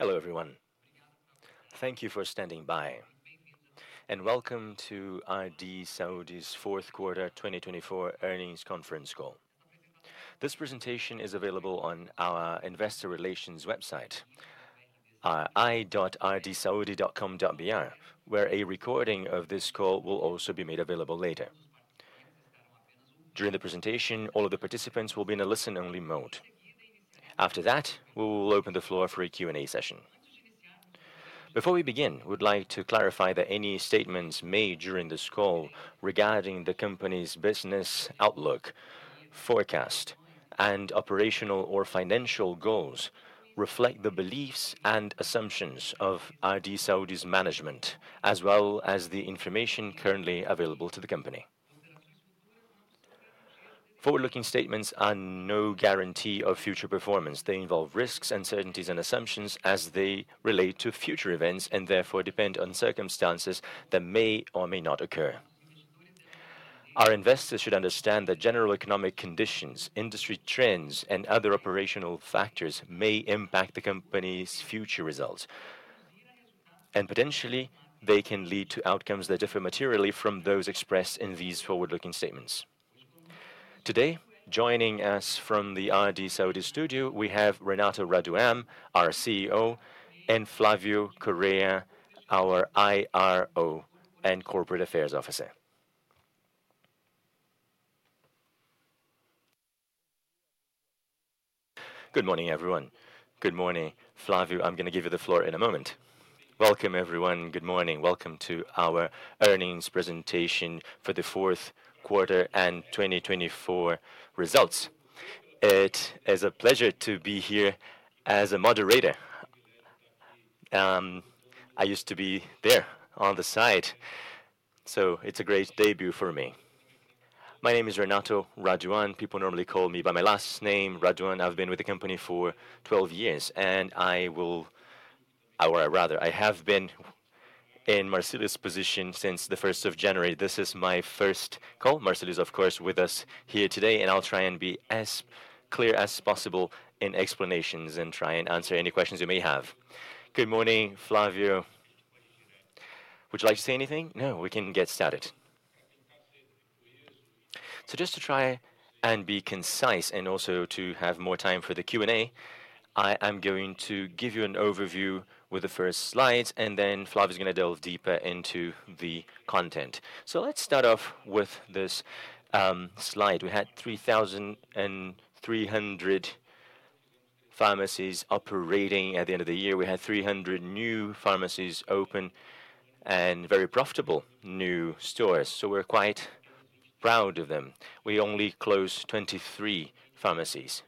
Hello, everyone. Thank you for standing by, and welcome to RD Saúde's Fourth Quarter 2024 Earnings Conference Call. This presentation is available on our investor relations website, ri.rdsaude.com.br, where a recording of this call will also be made available later. During the presentation, all of the participants will be in a listen-only mode. After that, we will open the floor for a Q&A session. Before we begin, we'd like to clarify that any statements made during this call regarding the company's business outlook, forecast, and operational or financial goals reflect the beliefs and assumptions of RD Saúde's management, as well as the information currently available to the company. Forward-looking statements are no guarantee of future performance. They involve risks, uncertainties, and assumptions as they relate to future events and therefore depend on circumstances that may or may not occur. Our investors should understand that general economic conditions, industry trends, and other operational factors may impact the company's future results, and potentially, they can lead to outcomes that differ materially from those expressed in these forward-looking statements. Today, joining us from the RD Saúde studio, we have Renato Raduan, our CEO, and Flávio Correia, our IRO and Corporate Affairs Officer. Good morning, everyone. Good morning, Flávio. I'm going to give you the floor in a moment. Welcome, everyone. Good morning. Welcome to our earnings presentation for the Fourth Quarter and 2024 results. It is a pleasure to be here as a moderator. I used to be there on the side, so it's a great debut for me. My name is Renato Raduan. People normally call me by my last name, Raduan. I've been with the company for 12 years, and I will, or rather, I have been in Marcílio's position since the 1st of January. This is my first call, Marcílio, of course, with us here today, and I'll try and be as clear as possible in explanations and try and answer any questions you may have. Good morning, Flávio. Would you like to say anything? No, we can get started, so just to try and be concise and also to have more time for the Q&A, I am going to give you an overview with the first slides, and then Flávio is going to delve deeper into the content, so let's start off with this slide. We had 3,300 pharmacies operating at the end of the year. We had 300 new pharmacies open and very profitable new stores, so we're quite proud of them. We only closed 23 pharmacies.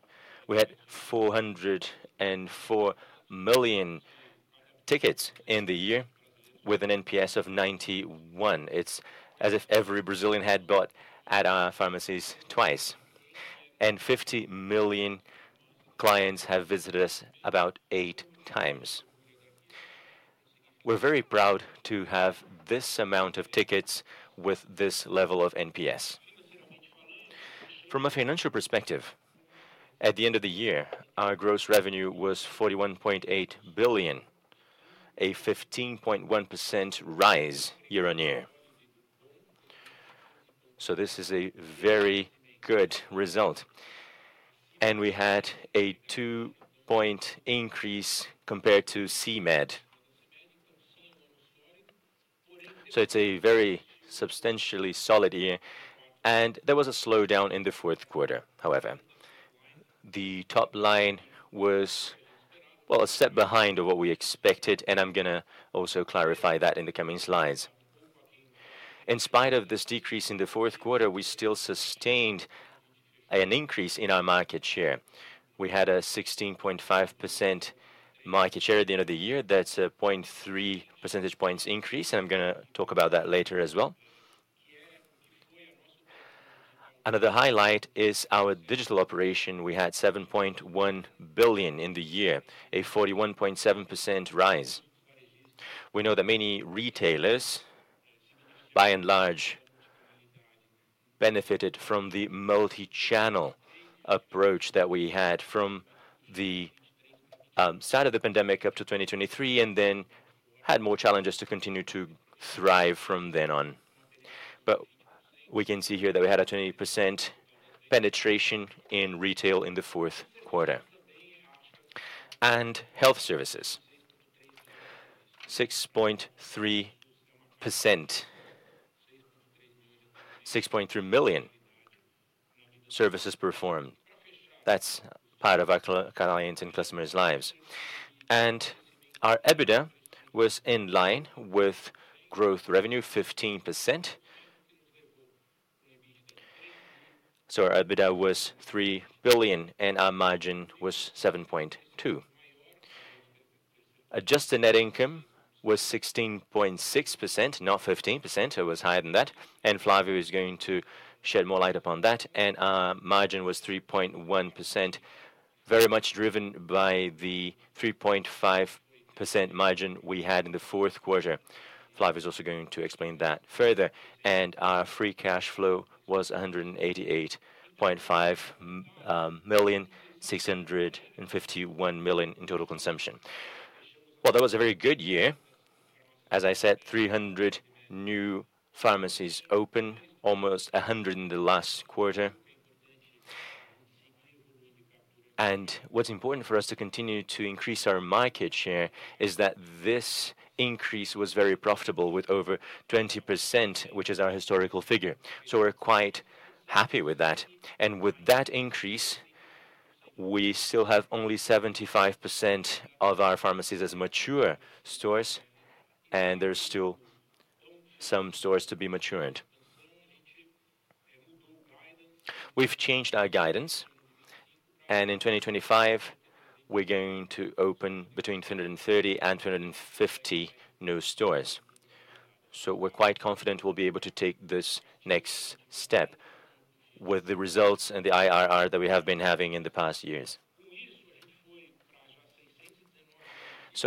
We had 404 million tickets in the year with an NPS of 91. It's as if every Brazilian had bought at our pharmacies twice, and 50 million clients have visited us about eight times. We're very proud to have this amount of tickets with this level of NPS. From a financial perspective, at the end of the year, our gross revenue was 41.8 billion, a 15.1% rise year-on-year, so this is a very good result, and we had a 2-point increase compared to CMED. It's a very substantially solid year, and there was a slowdown in the fourth quarter, however. The top line was, well, a step behind of what we expected, and I'm going to also clarify that in the coming slides. In spite of this decrease in the fourth quarter, we still sustained an increase in our market share. We had a 16.5% market share at the end of the year. That's a 0.3 percentage points increase, and I'm going to talk about that later as well. Another highlight is our digital operation. We had 7.1 billion in the year, a 41.7% rise. We know that many retailers, by and large, benefited from the multi-channel approach that we had from the start of the pandemic up to 2023 and then had more challenges to continue to thrive from then on. But we can see here that we had a 20% penetration in retail in the fourth quarter. And health services, 6.3%, 6.3 million services performed. That's part of our clients' and customers' lives. And our EBITDA was in line with growth revenue, 15%. So our EBITDA was 3 billion, and our margin was 7.2%. Adjusted net income was 16.6%, not 15%. It was higher than that, and Flávio is going to shed more light upon that. And our margin was 3.1%, very much driven by the 3.5% margin we had in the fourth quarter. Flávio is also going to explain that further. And our free cash flow was 188.5 million, 651 million in total consumption. Well, that was a very good year. As I said, 300 new pharmacies opened, almost 100 in the last quarter. And what's important for us to continue to increase our market share is that this increase was very profitable with over 20%, which is our historical figure. So we're quite happy with that. And with that increase, we still have only 75% of our pharmacies as mature stores, and there's still some stores to be matured. We've changed our guidance, and in 2025, we're going to open between 330 and 350 new stores. We're quite confident we'll be able to take this next step with the results and the IRR that we have been having in the past years.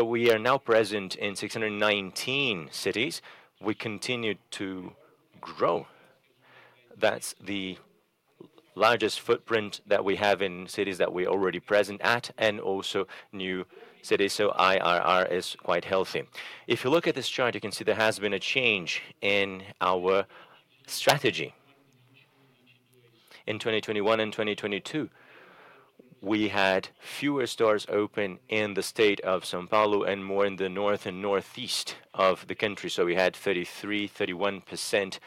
We are now present in 619 cities. We continue to grow. That's the largest footprint that we have in cities that we're already present at and also new cities. IRR is quite healthy. If you look at this chart, you can see there has been a change in our strategy. In 2021 and 2022, we had fewer stores open in the state of São Paulo and more in the North and Northeast of the country. We had 33%-31%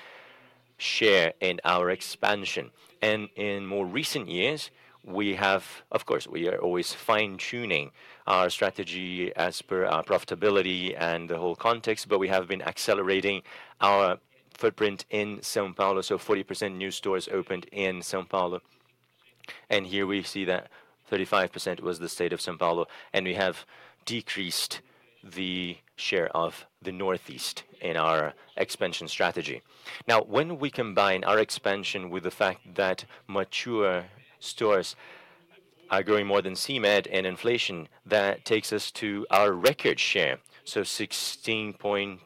share in our expansion. In more recent years, we have, of course, we are always fine-tuning our strategy as per our profitability and the whole context, but we have been accelerating our footprint in São Paulo. 40% new stores opened in São Paulo. Here we see that 35% was the state of São Paulo, and we have decreased the share of the Northeast in our expansion strategy. Now, when we combine our expansion with the fact that mature stores are growing more than CMED and inflation, that takes us to our record share, so 16.2%-16.5%,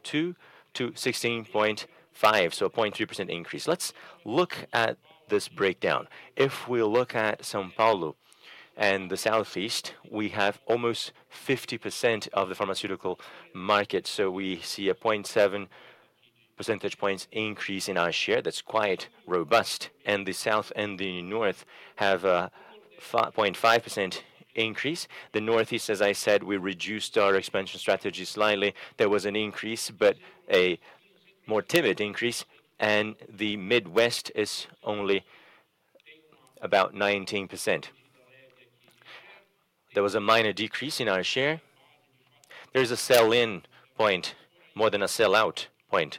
so a 0.3% increase. Let's look at this breakdown. If we look at São Paulo and the Southeast, we have almost 50% of the pharmaceutical market. We see a 0.7 percentage points increase in our share. That's quite robust. The South and the North have a 0.5% increase. The Northeast, as I said, we reduced our expansion strategy slightly. There was an increase, but a more timid increase, and the Midwest is only about 19%. There was a minor decrease in our share. There is a sell-in point more than a sell-out point.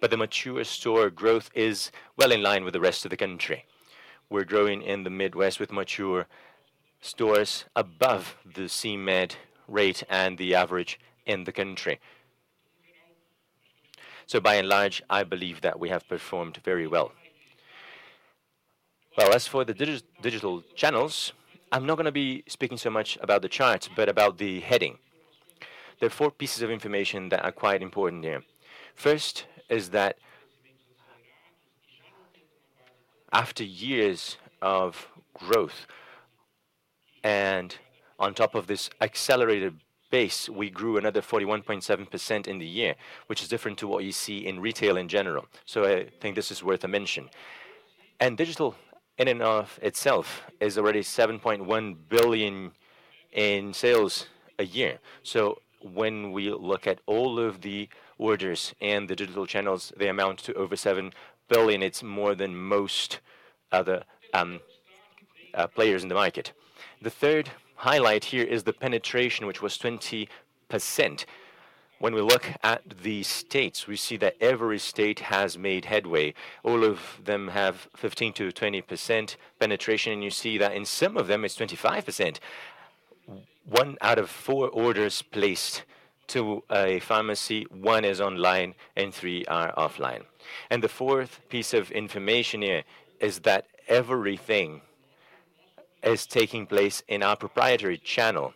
But the mature store growth is well in line with the rest of the country. We're growing in the Midwest with mature stores above the CMED rate and the average in the country. So by and large, I believe that we have performed very well. Well, as for the digital channels, I'm not going to be speaking so much about the charts, but about the heading. There are four pieces of information that are quite important here. First is that after years of growth, and on top of this accelerated base, we grew another 41.7% in the year, which is different to what you see in retail in general. So I think this is worth a mention. And digital in and of itself is already 7.1 billion in sales a year. When we look at all of the orders and the digital channels, they amount to over 7 billion. It's more than most other players in the market. The third highlight here is the penetration, which was 20%. When we look at the states, we see that every state has made headway. All of them have 15%-20% penetration, and you see that in some of them, it's 25%. One out of four orders placed to a pharmacy, one is online, and three are offline. The fourth piece of information here is that everything is taking place in our proprietary channel,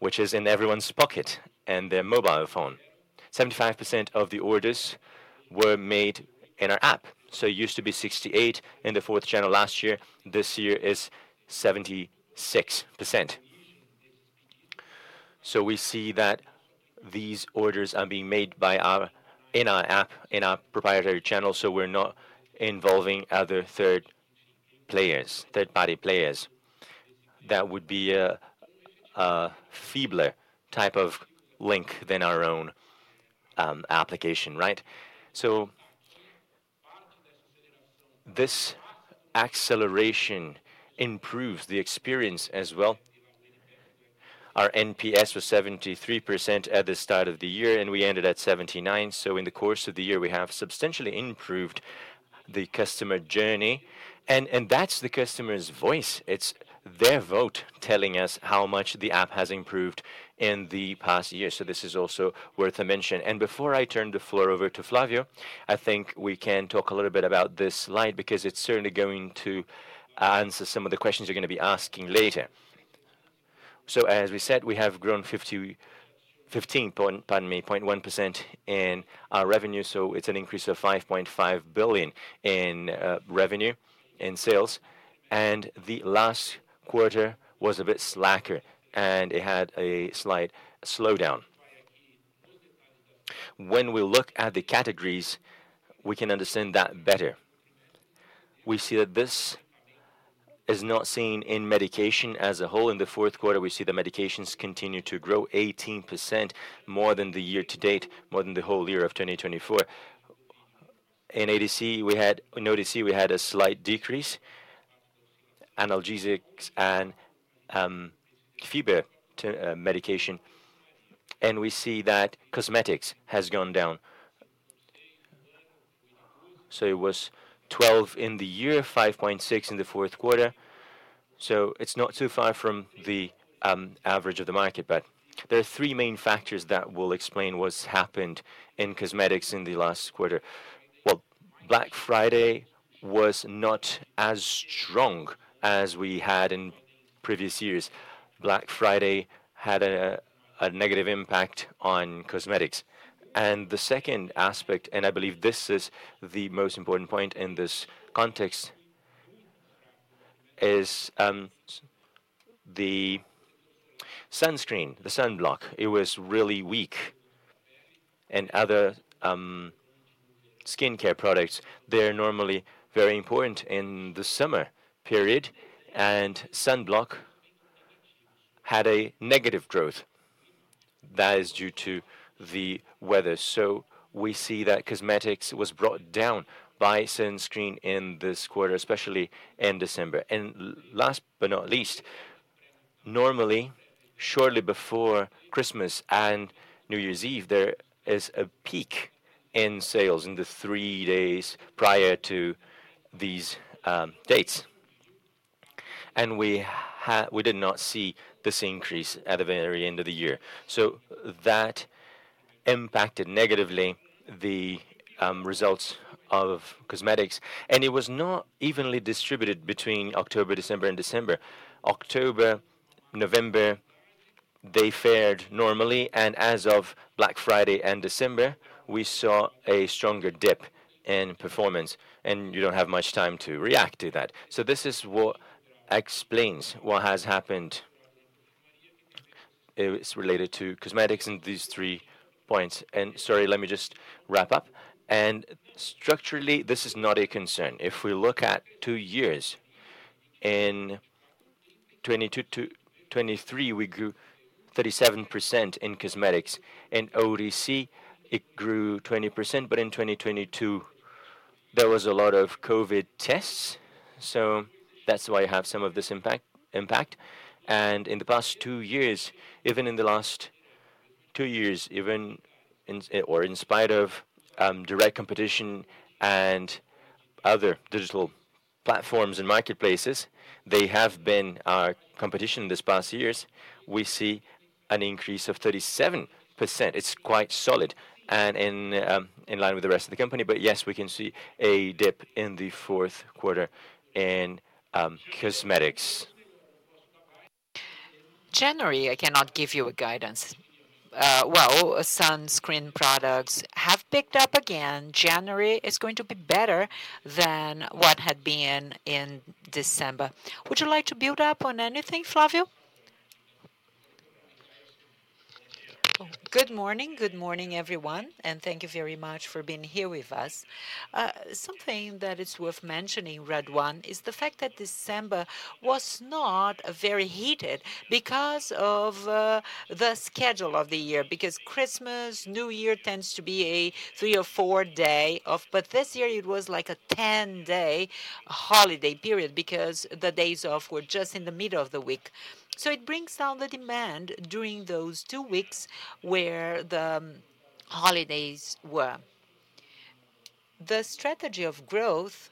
which is in everyone's pocket and their mobile phone. 75% of the orders were made in our app. It used to be 68% in the fourth quarter last year. This year is 76%. We see that these orders are being made in our app, in our proprietary channel, so we're not involving other third players, third-party players. That would be a feebler type of link than our own application, right? So this acceleration improves the experience as well. Our NPS was 73% at the start of the year, and we ended at 79%. So in the course of the year, we have substantially improved the customer journey. And that's the customer's voice. It's their vote telling us how much the app has improved in the past year. So this is also worth a mention. And before I turn the floor over to Flávio, I think we can talk a little bit about this slide because it's certainly going to answer some of the questions you're going to be asking later. As we said, we have grown 15.1% in our revenue, so it's an increase of 5.5 billion in revenue and sales. The last quarter was a bit slacker, and it had a slight slowdown. When we look at the categories, we can understand that better. We see that this is not seen in medication as a whole. In the fourth quarter, we see the medications continue to grow 18% more than the year to date, more than the whole year of 2024. In OTC, we had a slight decrease, analgesics and fever medication. We see that cosmetics has gone down. It was 12% in the year, 5.6% in the fourth quarter. It's not too far from the average of the market, but there are three main factors that will explain what's happened in cosmetics in the last quarter. Black Friday was not as strong as we had in previous years. Black Friday had a negative impact on cosmetics. The second aspect, and I believe this is the most important point in this context, is the sunscreen, the sunblock. It was really weak. Other skincare products, they're normally very important in the summer period, and sunblock had a negative growth. That is due to the weather. We see that cosmetics was brought down by sunscreen in this quarter, especially in December. Last but not least, normally, shortly before Christmas and New Year's Eve, there is a peak in sales in the three days prior to these dates. We did not see this increase at the very end of the year. That impacted negatively the results of cosmetics. It was not evenly distributed between October, December, and December. October, November, they fared normally, and as of Black Friday and December, we saw a stronger dip in performance. And you don't have much time to react to that. So this is what explains what has happened. It's related to cosmetics and these three points. And sorry, let me just wrap up. And structurally, this is not a concern. If we look at two years, in 2023, we grew 37% in cosmetics. In OTC, it grew 20%, but in 2022, there was a lot of COVID tests. So that's why you have some of this impact. And in the past two years, even in the last two years, even in or in spite of direct competition and other digital platforms and marketplaces, they have been our competition in these past years, we see an increase of 37%. It's quite solid. And in line with the rest of the company, but yes, we can see a dip in the fourth quarter in cosmetics. January, I cannot give you a guidance. Well, sunscreen products have picked up again. January is going to be better than what had been in December. Would you like to build up on anything, Flávio? Good morning. Good morning, everyone. And thank you very much for being here with us. Something that is worth mentioning, Raduan, is the fact that December was not very heated because of the schedule of the year, because Christmas, New Year tends to be a three- or four-day off. But this year, it was like a 10-day holiday period because the days off were just in the middle of the week. So it brings down the demand during those two weeks where the holidays were. The strategy of growth,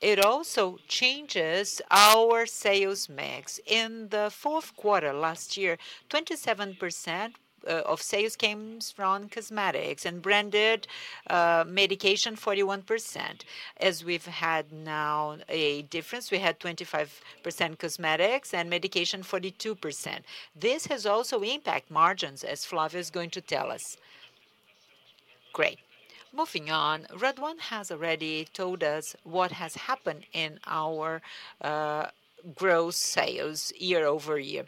it also changes our sales mix. In the fourth quarter last year, 27% of sales came from cosmetics and branded medication, 41%. As we've had now a difference, we had 25% cosmetics and medication, 42%. This has also impacted margins, as Flávio is going to tell us. Great. Moving on, Raduan has already told us what has happened in our gross sales year-over-year.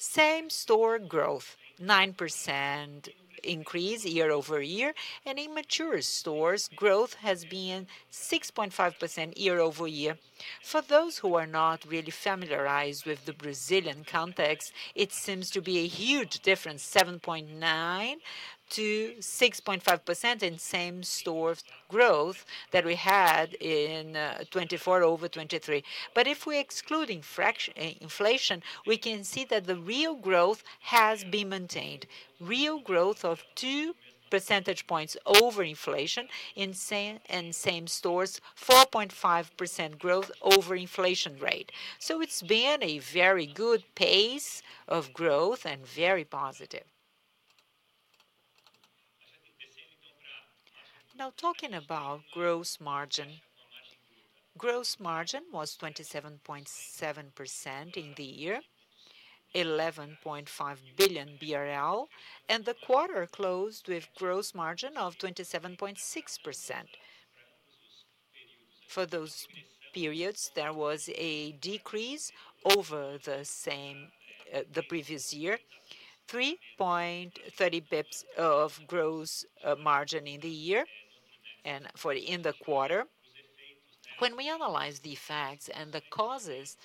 Same store growth, 9% increase year-over- year and in mature stores, growth has been 6.5% year-over-year. For those who are not really familiarized with the Brazilian context, it seems to be a huge difference, 7.9%-6.5% in same store growth that we had in 2024 over 2023, but if we're excluding inflation, we can see that the real growth has been maintained. Real growth of 2 percentage points over inflation in same stores, 4.5% growth over inflation rate. It's been a very good pace of growth and very positive. Now, talking about gross margin, gross margin was 27.7% in the year, 11.5 billion BRL. The quarter closed with gross margin of 27.6%. For those periods, there was a decrease over the previous year, 3.30 basis points of gross margin in the year and for in the quarter. When we analyze the effects and the causes,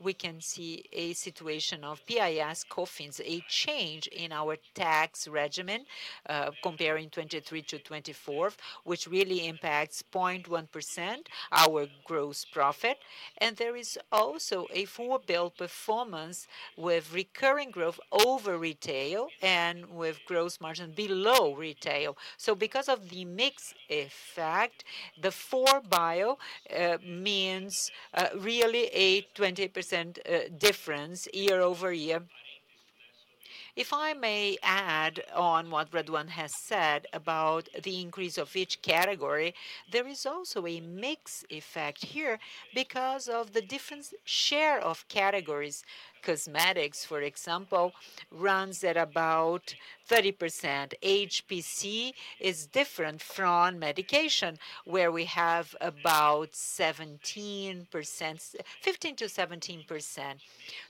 we can see a situation of PIS/COFINS, a change in our tax regimen comparing 2023 to 2024, which really impacts 0.1% our gross profit. There is also a 4Bio performance with recurring growth over retail and with gross margin below retail. Because of the mix effect, the 4Bio means really a 20% difference year-over- year. If I may add on what Raduan has said about the increase of each category, there is also a mix effect here because of the different share of categories. Cosmetics, for example, runs at about 30%. HPC is different from medication, where we have about 17%, 15%-17%.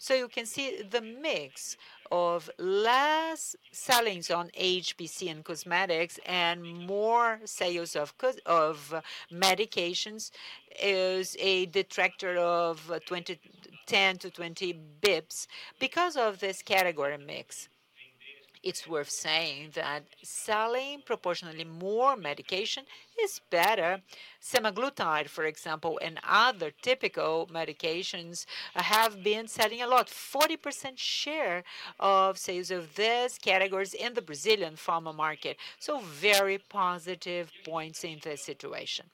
So you can see the mix of less sales on HPC and cosmetics and more sales of medications is a detractor of 10-20 basis points because of this category mix. It's worth saying that selling proportionally more medication is better. Semaglutide, for example, and other typical medications have been selling a lot, 40% share of sales of these categories in the Brazilian pharma market. So very positive points in this situation.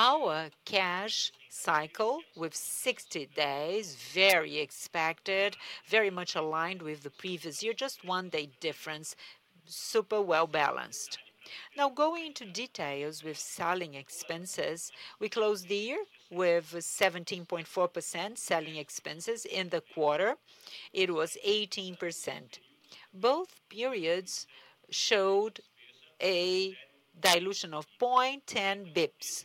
Our cash cycle with 60 days, very expected, very much aligned with the previous year, just one day difference, super well balanced. Now, going into details with selling expenses, we closed the year with 17.4% selling expenses in the quarter. It was 18%. Both periods showed a dilution of 10 basis points.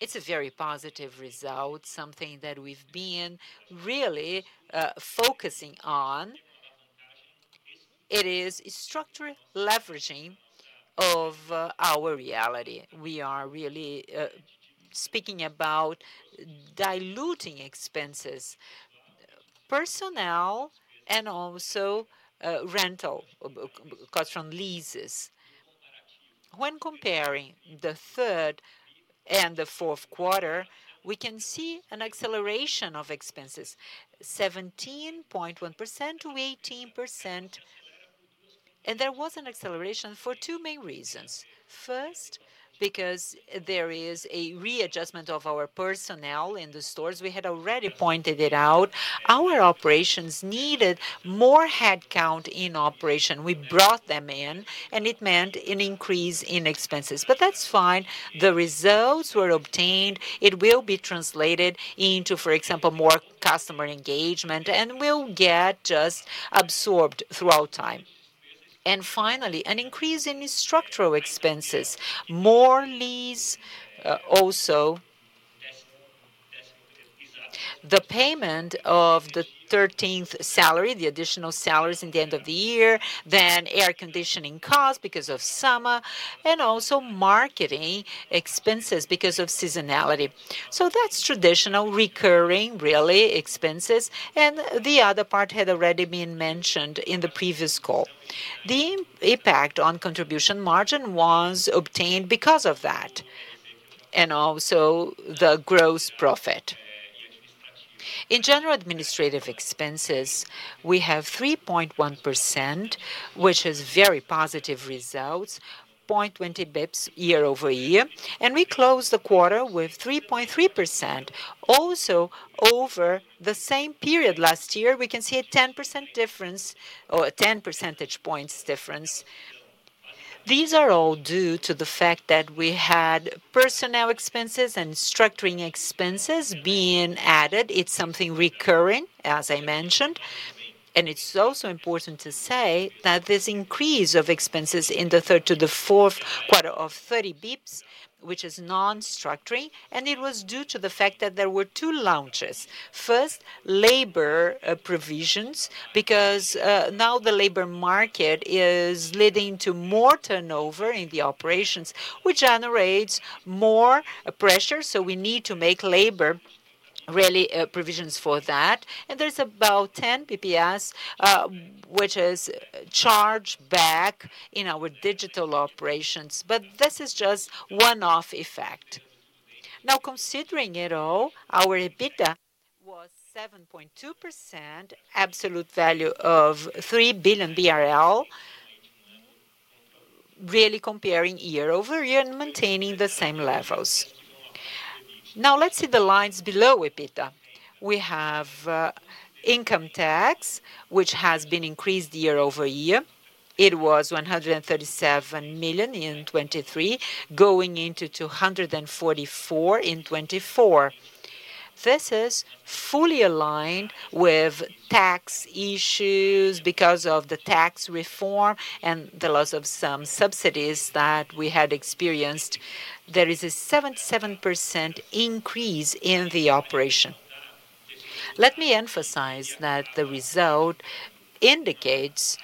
It's a very positive result, something that we've been really focusing on. It is structural leveraging of our retail. We are really speaking about diluting expenses, personnel, and also rental costs from leases. When comparing the third and the fourth quarter, we can see an acceleration of expenses, 17.1%-18%, and there was an acceleration for two main reasons. First, because there is a readjustment of our personnel in the stores. We had already pointed it out. Our operations needed more headcount in operation. We brought them in, and it meant an increase in expenses. But that's fine. The results were obtained. It will be translated into, for example, more customer engagement, and it will just get absorbed over time. Finally, an increase in structural expenses, more lease, also the payment of the 13th salary, the additional salaries in the end of the year, then air conditioning costs because of summer, and also marketing expenses because of seasonality. That's traditional recurring, really, expenses. The other part had already been mentioned in the previous call. The impact on contribution margin was obtained because of that, and also the gross profit. In general administrative expenses, we have 3.1%, which is very positive results, 20 basis points year-over-year. We closed the quarter with 3.3%, also over the same period last year. We can see a 10% difference or 10 percentage points difference. These are all due to the fact that we had personnel expenses and structuring expenses being added. It's something recurring, as I mentioned. It's also important to say that this increase of expenses in the third to the fourth quarter of 30 basis points, which is non-structural, and it was due to the fact that there were two launches. First, labor provisions, because now the labor market is leading to more turnover in the operations, which generates more pressure. So we need to make labor really provisions for that. And there's about 10 basis points, which is charged back in our digital operations, but this is just one-off effect. Now, considering it all, our EBITDA was 7.2%, absolute value of 3 billion BRL, really comparing year-over-year and maintaining the same levels. Now, let's see the lines below EBITDA. We have income tax, which has been increased year-over-year. It was 137 million in 2023, going into 244 in 2024. This is fully aligned with tax issues because of the tax reform and the loss of some subsidies that we had experienced. There is a 77% increase in the operation. Let me emphasize that the result indicates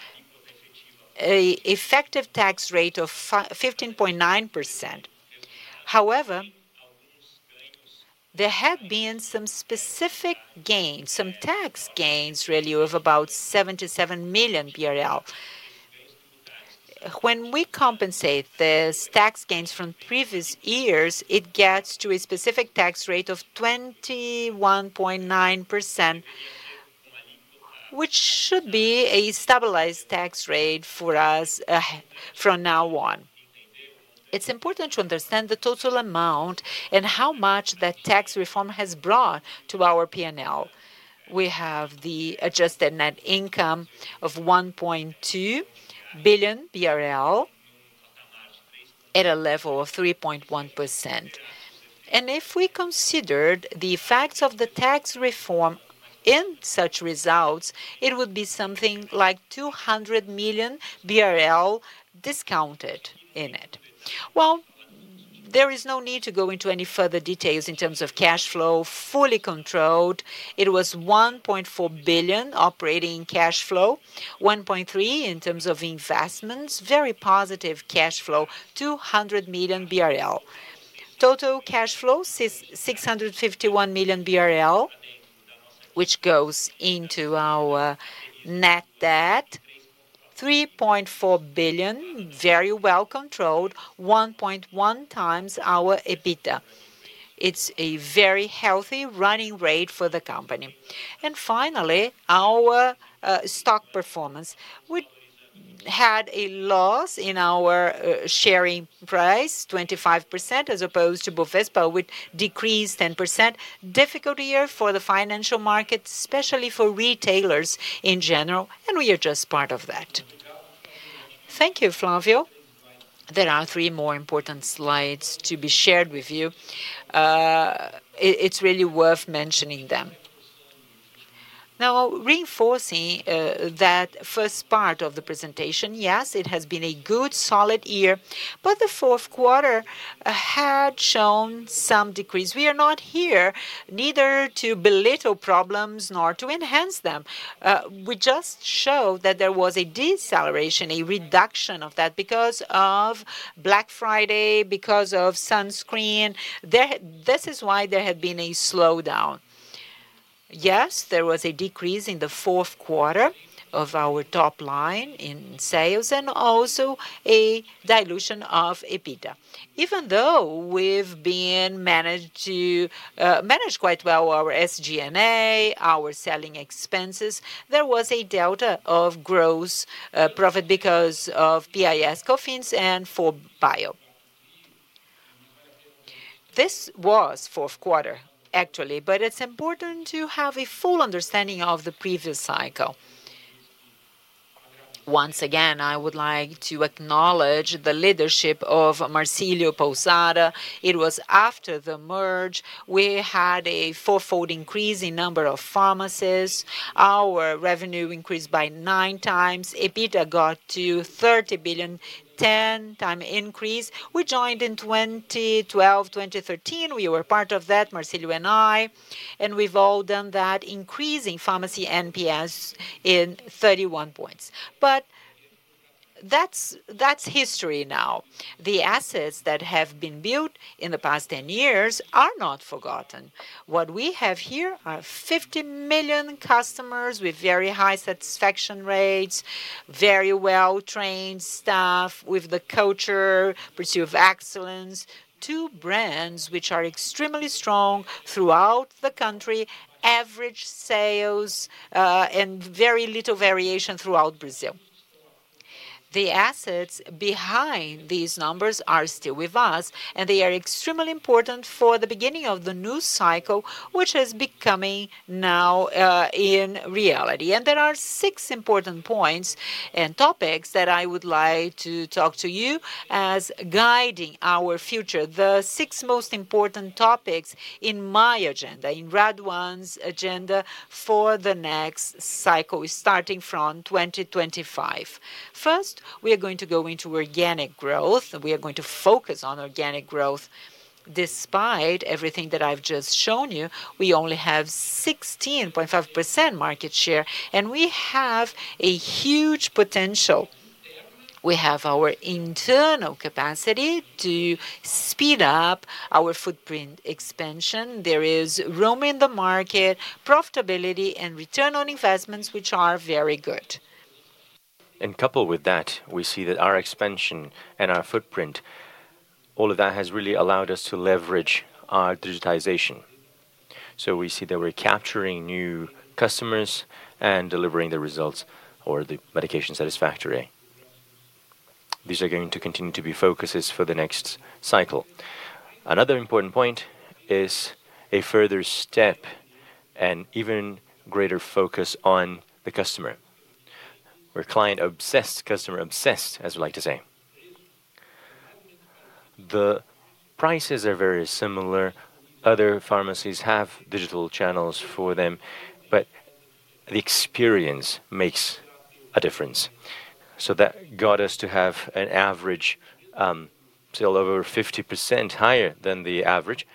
an effective tax rate of 15.9%. However, there had been some specific gains, some tax gains, really, of about 77 million. When we compensate these tax gains from previous years, it gets to a specific tax rate of 21.9%, which should be a stabilized tax rate for us from now on. It's important to understand the total amount and how much that tax reform has brought to our P&L. We have the adjusted net income of 1.2 billion BRL at a level of 3.1%. And if we considered the effects of the tax reform in such results, it would be something like 200 million BRL discounted in it. There is no need to go into any further details in terms of cash flow, fully controlled. It was 1.4 billion operating cash flow, 1.3 billion in terms of investments, very positive cash flow, 200 million BRL. Total cash flow, 651 million BRL, which goes into our net debt, 3.4 billion, very well controlled, 1.1 times our EBITDA. It's a very healthy running rate for the company. And finally, our stock performance, which had a loss in our share price, 25%, as opposed to Bovespa, but we decreased 10%. Difficult year for the financial markets, especially for retailers in general, and we are just part of that. Thank you, Flávio. There are three more important slides to be shared with you. It's really worth mentioning them. Now, reinforcing that first part of the presentation, yes, it has been a good solid year, but the fourth quarter had shown some decrease. We are not here neither to belittle problems nor to enhance them. We just show that there was a deceleration, a reduction of that because of Black Friday, because of sunscreen. This is why there had been a slowdown. Yes, there was a decrease in the fourth quarter of our top line in sales and also a dilution of EBITDA. Even though we've managed to manage quite well our SG&A, our selling expenses, there was a delta of gross profit because of PIS/COFINS and 4Bio. This was fourth quarter, actually, but it's important to have a full understanding of the previous cycle. Once again, I would like to acknowledge the leadership of Marcílio Pousada. It was after the merger we had a four-fold increase in number of pharmacies. Our revenue increased by nine times. EBITDA got to 30 billion, 10-time increase. We joined in 2012, 2013. We were part of that, Marcílio and I, and we've all done that, increasing pharmacy NPS in 31 points. But that's history now. The assets that have been built in the past 10 years are not forgotten. What we have here are 50 million customers with very high satisfaction rates, very well-trained staff with the culture, pursue of excellence, two brands which are extremely strong throughout the country, average sales, and very little variation throughout Brazil. The assets behind these numbers are still with us, and they are extremely important for the beginning of the new cycle, which is becoming now in reality, and there are six important points and topics that I would like to talk to you as guiding our future, the six most important topics in my agenda, in Raduan's agenda for the next cycle starting from 2025. First, we are going to go into organic growth. We are going to focus on organic growth. Despite everything that I've just shown you, we only have 16.5% market share, and we have a huge potential. We have our internal capacity to speed up our footprint expansion. There is room in the market, profitability, and return on investments, which are very good, and coupled with that, we see that our expansion and our footprint, all of that has really allowed us to leverage our digitization, so we see that we're capturing new customers and delivering the results or the medication satisfactory. These are going to continue to be focuses for the next cycle. Another important point is a further step and even greater focus on the customer. We're client-obsessed, customer-obsessed, as we like to say. The prices are very similar. Other pharmacies have digital channels for them, but the experience makes a difference. That got us to have an average sale of over 50% higher than the average.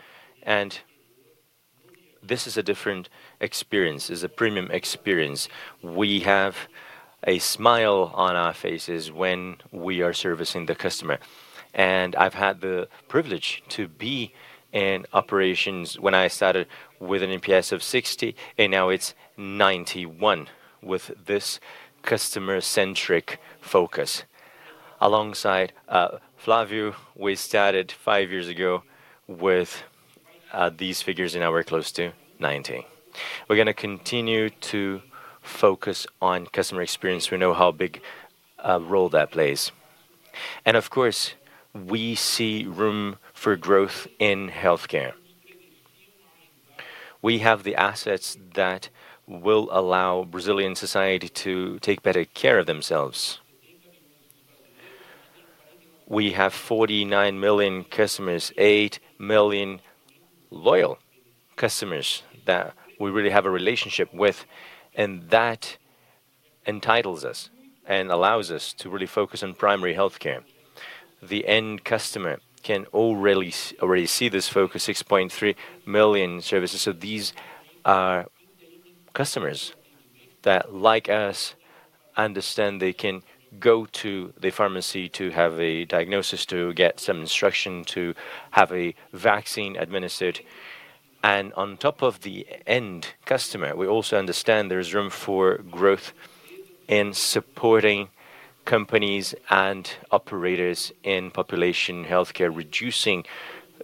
And this is a different experience. It's a premium experience. We have a smile on our faces when we are servicing the customer. And I've had the privilege to be in operations when I started with an NPS of 60, and now it's 91 with this customer-centric focus. Alongside Flávio, we started five years ago with these figures in our close to 90. We're going to continue to focus on customer experience. We know how big a role that plays. And of course, we see room for growth in healthcare. We have the assets that will allow Brazilian society to take better care of themselves. We have 49 million customers, 8 million loyal customers that we really have a relationship with, and that entitles us and allows us to really focus on primary healthcare. The end customer can already see this focus: 6.3 million services. So these are customers that, like us, understand they can go to the pharmacy to have a diagnosis, to get some instruction, to have a vaccine administered. And on top of the end customer, we also understand there is room for growth in supporting companies and operators in population healthcare, reducing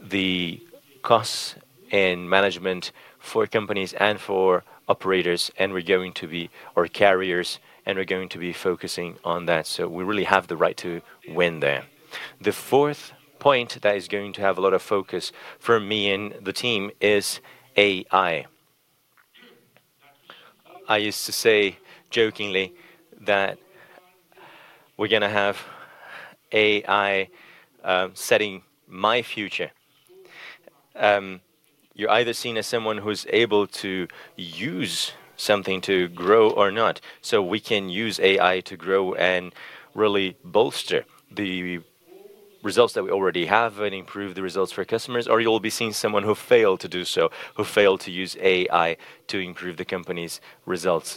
the costs and management for companies and for operators. And we're going to be our carriers, and we're going to be focusing on that. So we really have the right to win there. The fourth point that is going to have a lot of focus for me and the team is AI. I used to say jokingly that we're going to have AI setting my future. You're either seen as someone who's able to use something to grow or not. So we can use AI to grow and really bolster the results that we already have and improve the results for customers, or you'll be seeing someone who failed to do so, who failed to use AI to improve the company's results.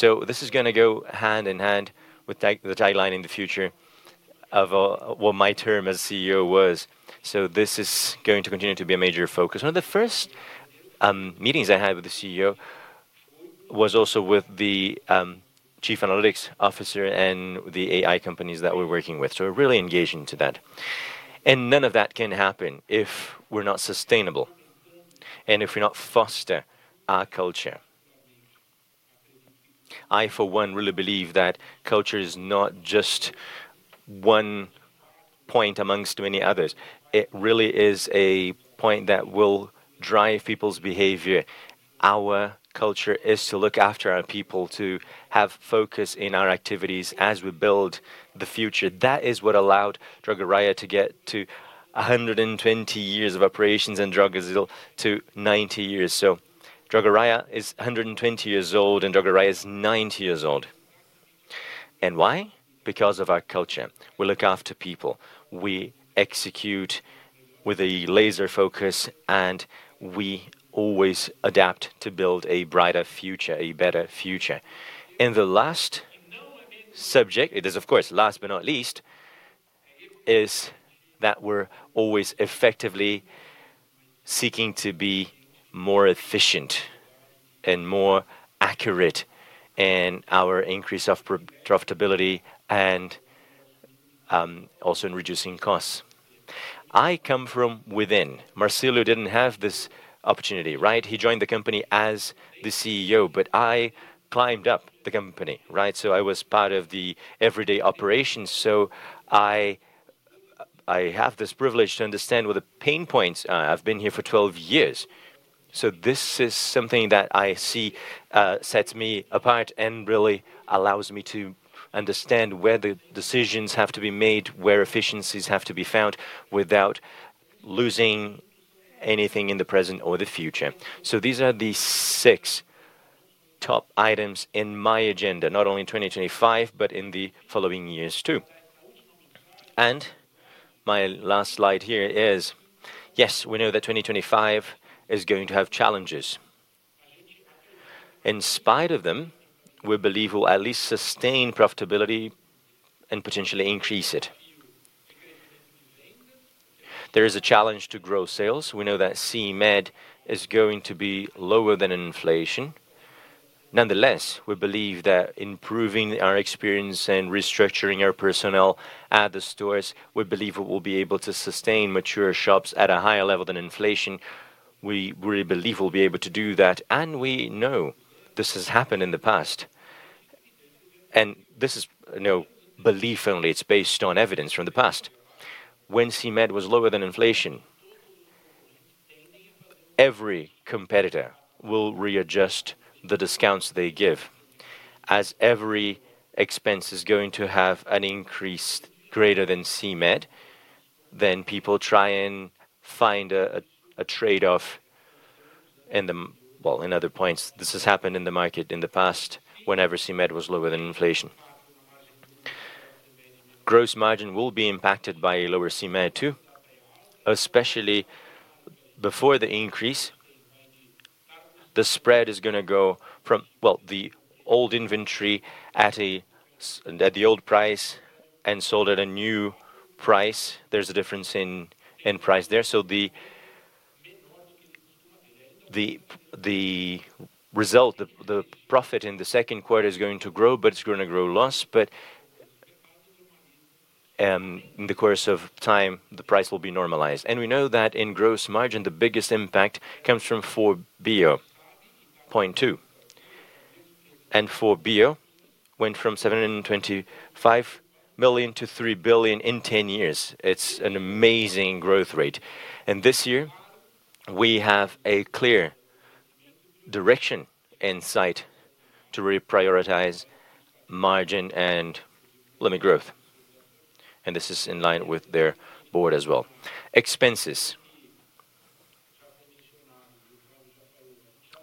So this is going to go hand in hand with the tagline in the future of what my term as CEO was. So this is going to continue to be a major focus. One of the first meetings I had with the CEO was also with the chief analytics officer and the AI companies that we're working with. So we're really engaged into that. And none of that can happen if we're not sustainable and if we're not fostering our culture. I, for one, really believe that culture is not just one point amongst many others. It really is a point that will drive people's behavior. Our culture is to look after our people, to have focus in our activities as we build the future. That is what allowed Droga Raia to get to 120 years of operations and Drogasil to 90 years. So Droga Raia is 120 years old and Drogasil is 90 years old. And why? Because of our culture. We look after people. We execute with a laser focus and we always adapt to build a brighter future, a better future. And the last subject, it is of course last but not least, is that we're always effectively seeking to be more efficient and more accurate in our increase of profitability and also in reducing costs. I come from within. Marcílio didn't have this opportunity, right? He joined the company as the CEO, but I climbed up the company, right? So I was part of the everyday operations. So I have this privilege to understand what the pain points are. I've been here for 12 years. So this is something that I see sets me apart and really allows me to understand where the decisions have to be made, where efficiencies have to be found without losing anything in the present or the future. So these are the six top items in my agenda, not only in 2025, but in the following years too. And my last slide here is, yes, we know that 2025 is going to have challenges. In spite of them, we believe we'll at least sustain profitability and potentially increase it. There is a challenge to grow sales. We know that CMED is going to be lower than inflation. Nonetheless, we believe that improving our experience and restructuring our personnel at the stores, we believe we will be able to sustain mature shops at a higher level than inflation. We really believe we'll be able to do that. And we know this has happened in the past. And this is no belief only. It's based on evidence from the past. When CMED was lower than inflation, every competitor will readjust the discounts they give. As every expense is going to have an increase greater than CMED, then people try and find a trade-off. And well, in other points, this has happened in the market in the past whenever CMED was lower than inflation. Gross margin will be impacted by a lower CMED too, especially before the increase. The spread is going to go from, well, the old inventory at the old price and sold at a new price. There's a difference in price there, so the result, the profit in the second quarter is going to grow, but it's going to grow less, but in the course of time, the price will be normalized, and we know that in gross margin, the biggest impact comes from 4Bio 0.2, and 4Bio went from 725 million to 3 billion in 10 years. It's an amazing growth rate, and this year, we have a clear direction in sight to reprioritize margin and limit growth, and this is in line with their board as well. Expenses.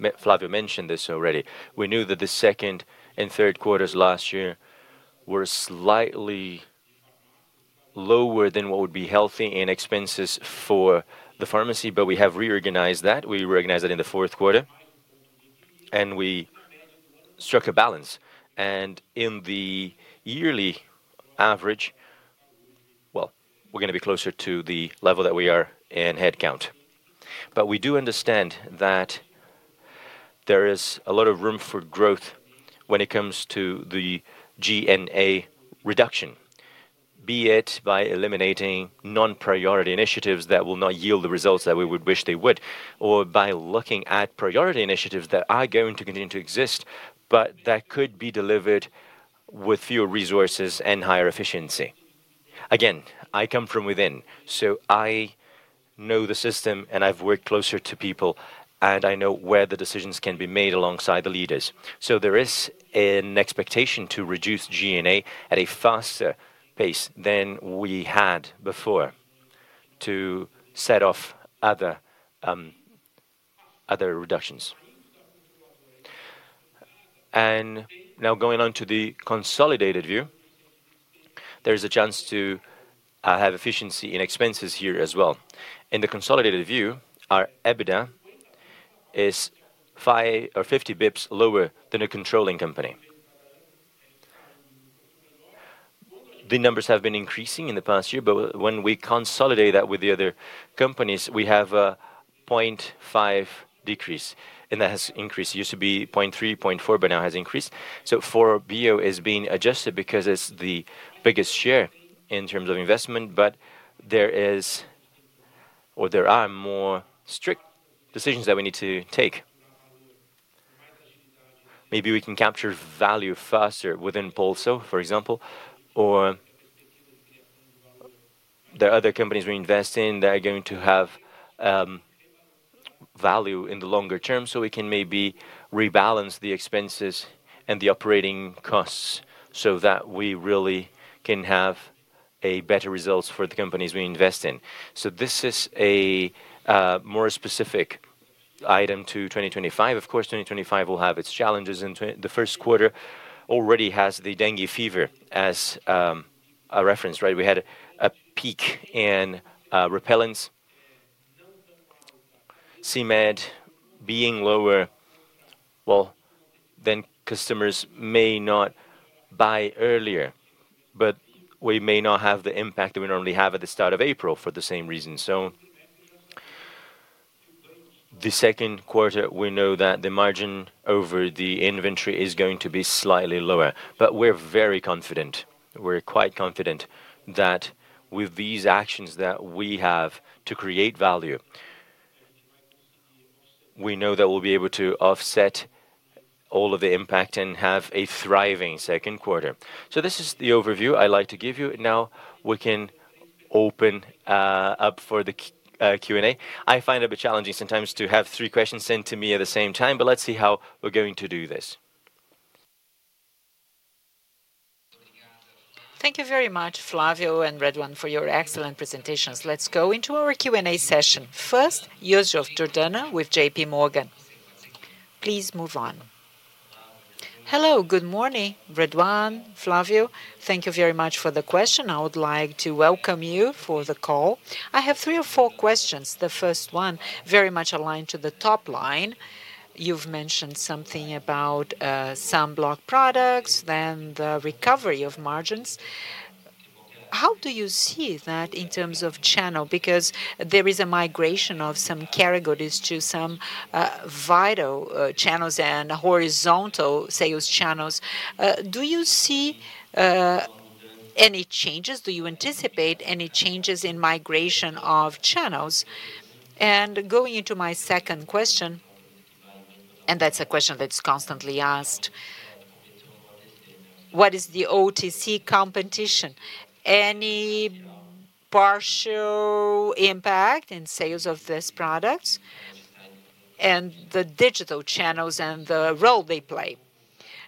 Flávio mentioned this already. We knew that the second and third quarters last year were slightly lower than what would be healthy in expenses for the pharmacy, but we have reorganized that. We reorganized that in the fourth quarter, and we struck a balance. In the yearly average, well, we're going to be closer to the level that we are in headcount. But we do understand that there is a lot of room for growth when it comes to the G&A reduction, be it by eliminating non-priority initiatives that will not yield the results that we would wish they would, or by looking at priority initiatives that are going to continue to exist, but that could be delivered with fewer resources and higher efficiency. Again, I come from within, so I know the system and I've worked closer to people, and I know where the decisions can be made alongside the leaders. There is an expectation to reduce G&A at a faster pace than we had before to set off other reductions. Now going on to the consolidated view, there is a chance to have efficiency in expenses here as well. In the consolidated view, our EBITDA is five or 50 basis points lower than a controlling company. The numbers have been increasing in the past year, but when we consolidate that with the other companies, we have a 0.5% decrease, and that has increased. It used to be 0.3%, 0.4%, but now has increased, so 4Bio is being adjusted because it's the biggest share in terms of investment, but there are more strict decisions that we need to take. Maybe we can capture value faster within Impulso, for example, or there are other companies we invest in that are going to have value in the longer term, so we can maybe rebalance the expenses and the operating costs so that we really can have better results for the companies we invest in, so this is a more specific item to 2025. Of course, 2025 will have its challenges, and the first quarter already has the dengue fever as a reference, right? We had a peak in repellents. CMED being lower, well, then customers may not buy earlier, but we may not have the impact that we normally have at the start of April for the same reason. So the second quarter, we know that the margin over the inventory is going to be slightly lower, but we're very confident. We're quite confident that with these actions that we have to create value, we know that we'll be able to offset all of the impact and have a thriving second quarter. So this is the overview I'd like to give you. Now we can open up for the Q&A. I find it a bit challenging sometimes to have three questions sent to me at the same time, but let's see how we're going to do this. Thank you very much, Flávio and Renato Raduan, for your excellent presentations. Let's go into our Q&A session. First, Joseph Giordano with JPMorgan. Please move on. Hello, good morning, Renato Raduan, Flávio. Thank you very much for the question. I would like to welcome you for the call. I have three or four questions. The first one very much aligned to the top line. You've mentioned something about sunblock products, then the recovery of margins. How do you see that in terms of channel? Because there is a migration of some categories to some Vitat channels and horizontal sales channels. Do you see any changes? Do you anticipate any changes in migration of channels? And going into my second question, and that's a question that's constantly asked. What is the OTC competition? Any partial impact in sales of these products and the digital channels and the role they play?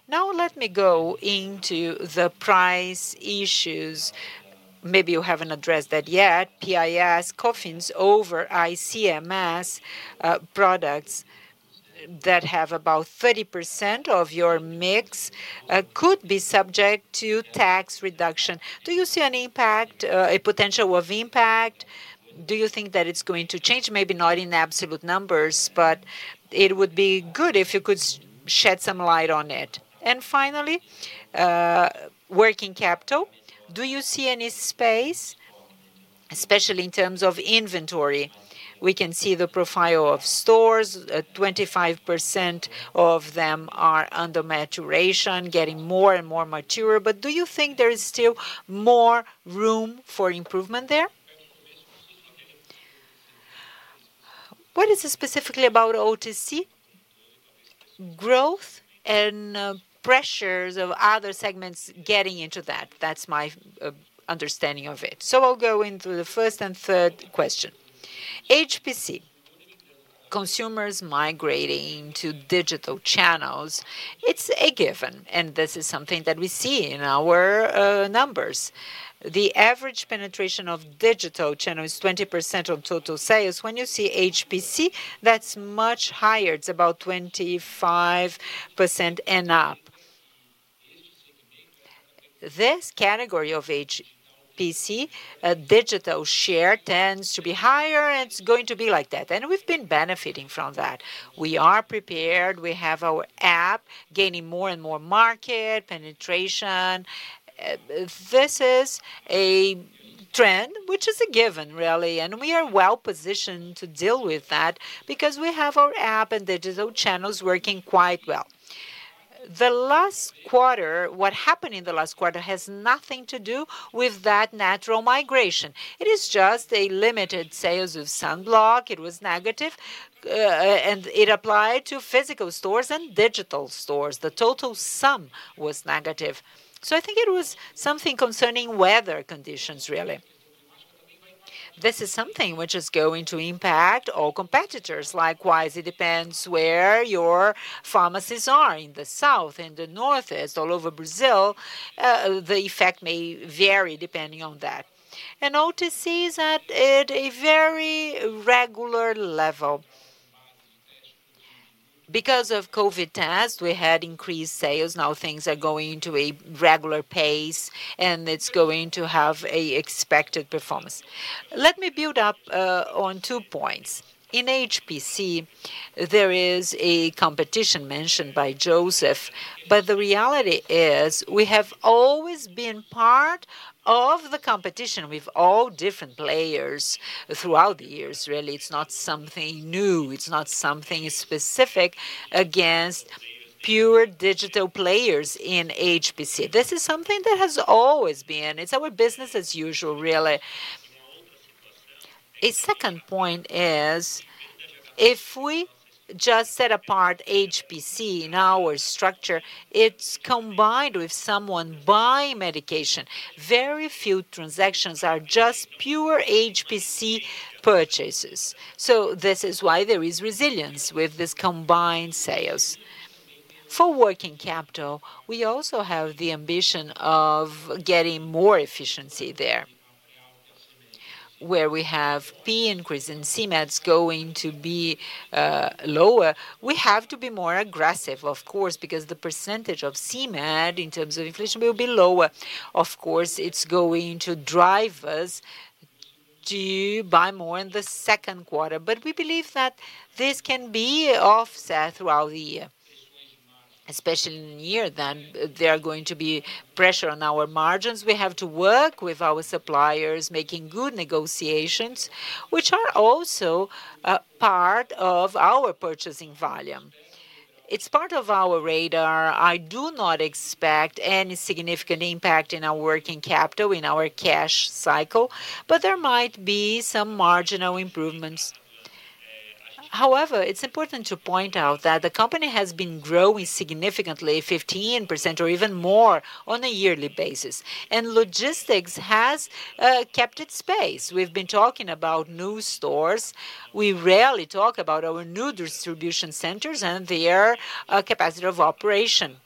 Now let me go into the price issues. Maybe you haven't addressed that yet. PIS/COFINS over ICMS products that have about 30% of your mix could be subject to tax reduction. Do you see an impact, a potential of impact? Do you think that it's going to change? Maybe not in absolute numbers, but it would be good if you could shed some light on it. And finally, working capital. Do you see any space, especially in terms of inventory? We can see the profile of stores. 25% of them are under maturation, getting more and more mature. But do you think there is still more room for improvement there? What is it specifically about OTC growth and pressures of other segments getting into that? That's my understanding of it. So I'll go into the first and third question. HPC, consumers migrating to digital channels. It's a given, and this is something that we see in our numbers. The average penetration of digital channels is 20% of total sales. When you see HPC, that's much higher. It's about 25% and up. This category of HPC, digital share tends to be higher, and it's going to be like that, and we've been benefiting from that. We are prepared. We have our app gaining more and more market penetration. This is a trend, which is a given, really, and we are well positioned to deal with that because we have our app and digital channels working quite well. The last quarter, what happened in the last quarter has nothing to do with that natural migration. It is just a limited sales of sunscreen. It was negative, and it applied to physical stores and digital stores. The total sum was negative. So I think it was something concerning weather conditions, really. This is something which is going to impact all competitors. Likewise, it depends where your pharmacies are in the South, in the Northeast, all over Brazil. The effect may vary depending on that, and OTC is at a very regular level. Because of COVID tests, we had increased sales. Now things are going to a regular pace, and it's going to have an expected performance. Let me build up on two points. In HPC, there is a competition mentioned by Joseph, but the reality is we have always been part of the competition with all different players throughout the years, really. It's not something new. It's not something specific against pure digital players in HPC. This is something that has always been. It's our business as usual, really. A second point is if we just set apart HPC in our structure, it's combined with someone buying medication. Very few transactions are just pure HPC purchases. So this is why there is resilience with this combined sales. For working capital, we also have the ambition of getting more efficiency there. Where we have fee increase and CMEDs going to be lower, we have to be more aggressive, of course, because the percentage of CMED in terms of inflation will be lower. Of course, it's going to drive us to buy more in the second quarter, but we believe that this can be offset throughout the year. Especially in a year that there are going to be pressure on our margins, we have to work with our suppliers, making good negotiations, which are also part of our purchasing volume. It's part of our radar. I do not expect any significant impact in our working capital, in our cash cycle, but there might be some marginal improvements. However, it's important to point out that the company has been growing significantly, 15% or even more on a yearly basis, and logistics has kept its pace. We've been talking about new stores. We rarely talk about our new distribution centers and their capacity of operation.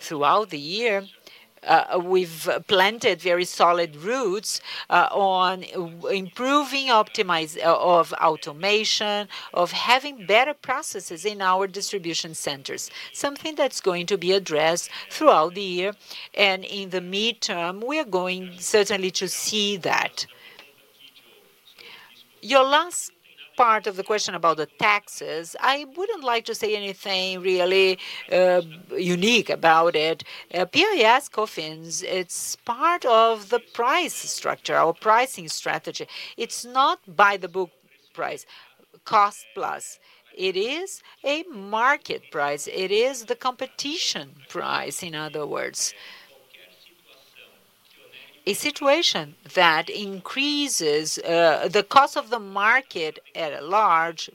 Throughout the year, we've planted very solid roots on improving optimization of automation, of having better processes in our distribution centers, something that's going to be addressed throughout the year. And in the midterm, we are going certainly to see that. Your last part of the question about the taxes, I wouldn't like to say anything really unique about it. PIS/COFINS, it's part of the price structure, our pricing strategy. It's not by the book price, cost plus. It is a market price. It is the competition price, in other words. A situation that increases the cost of the market at a large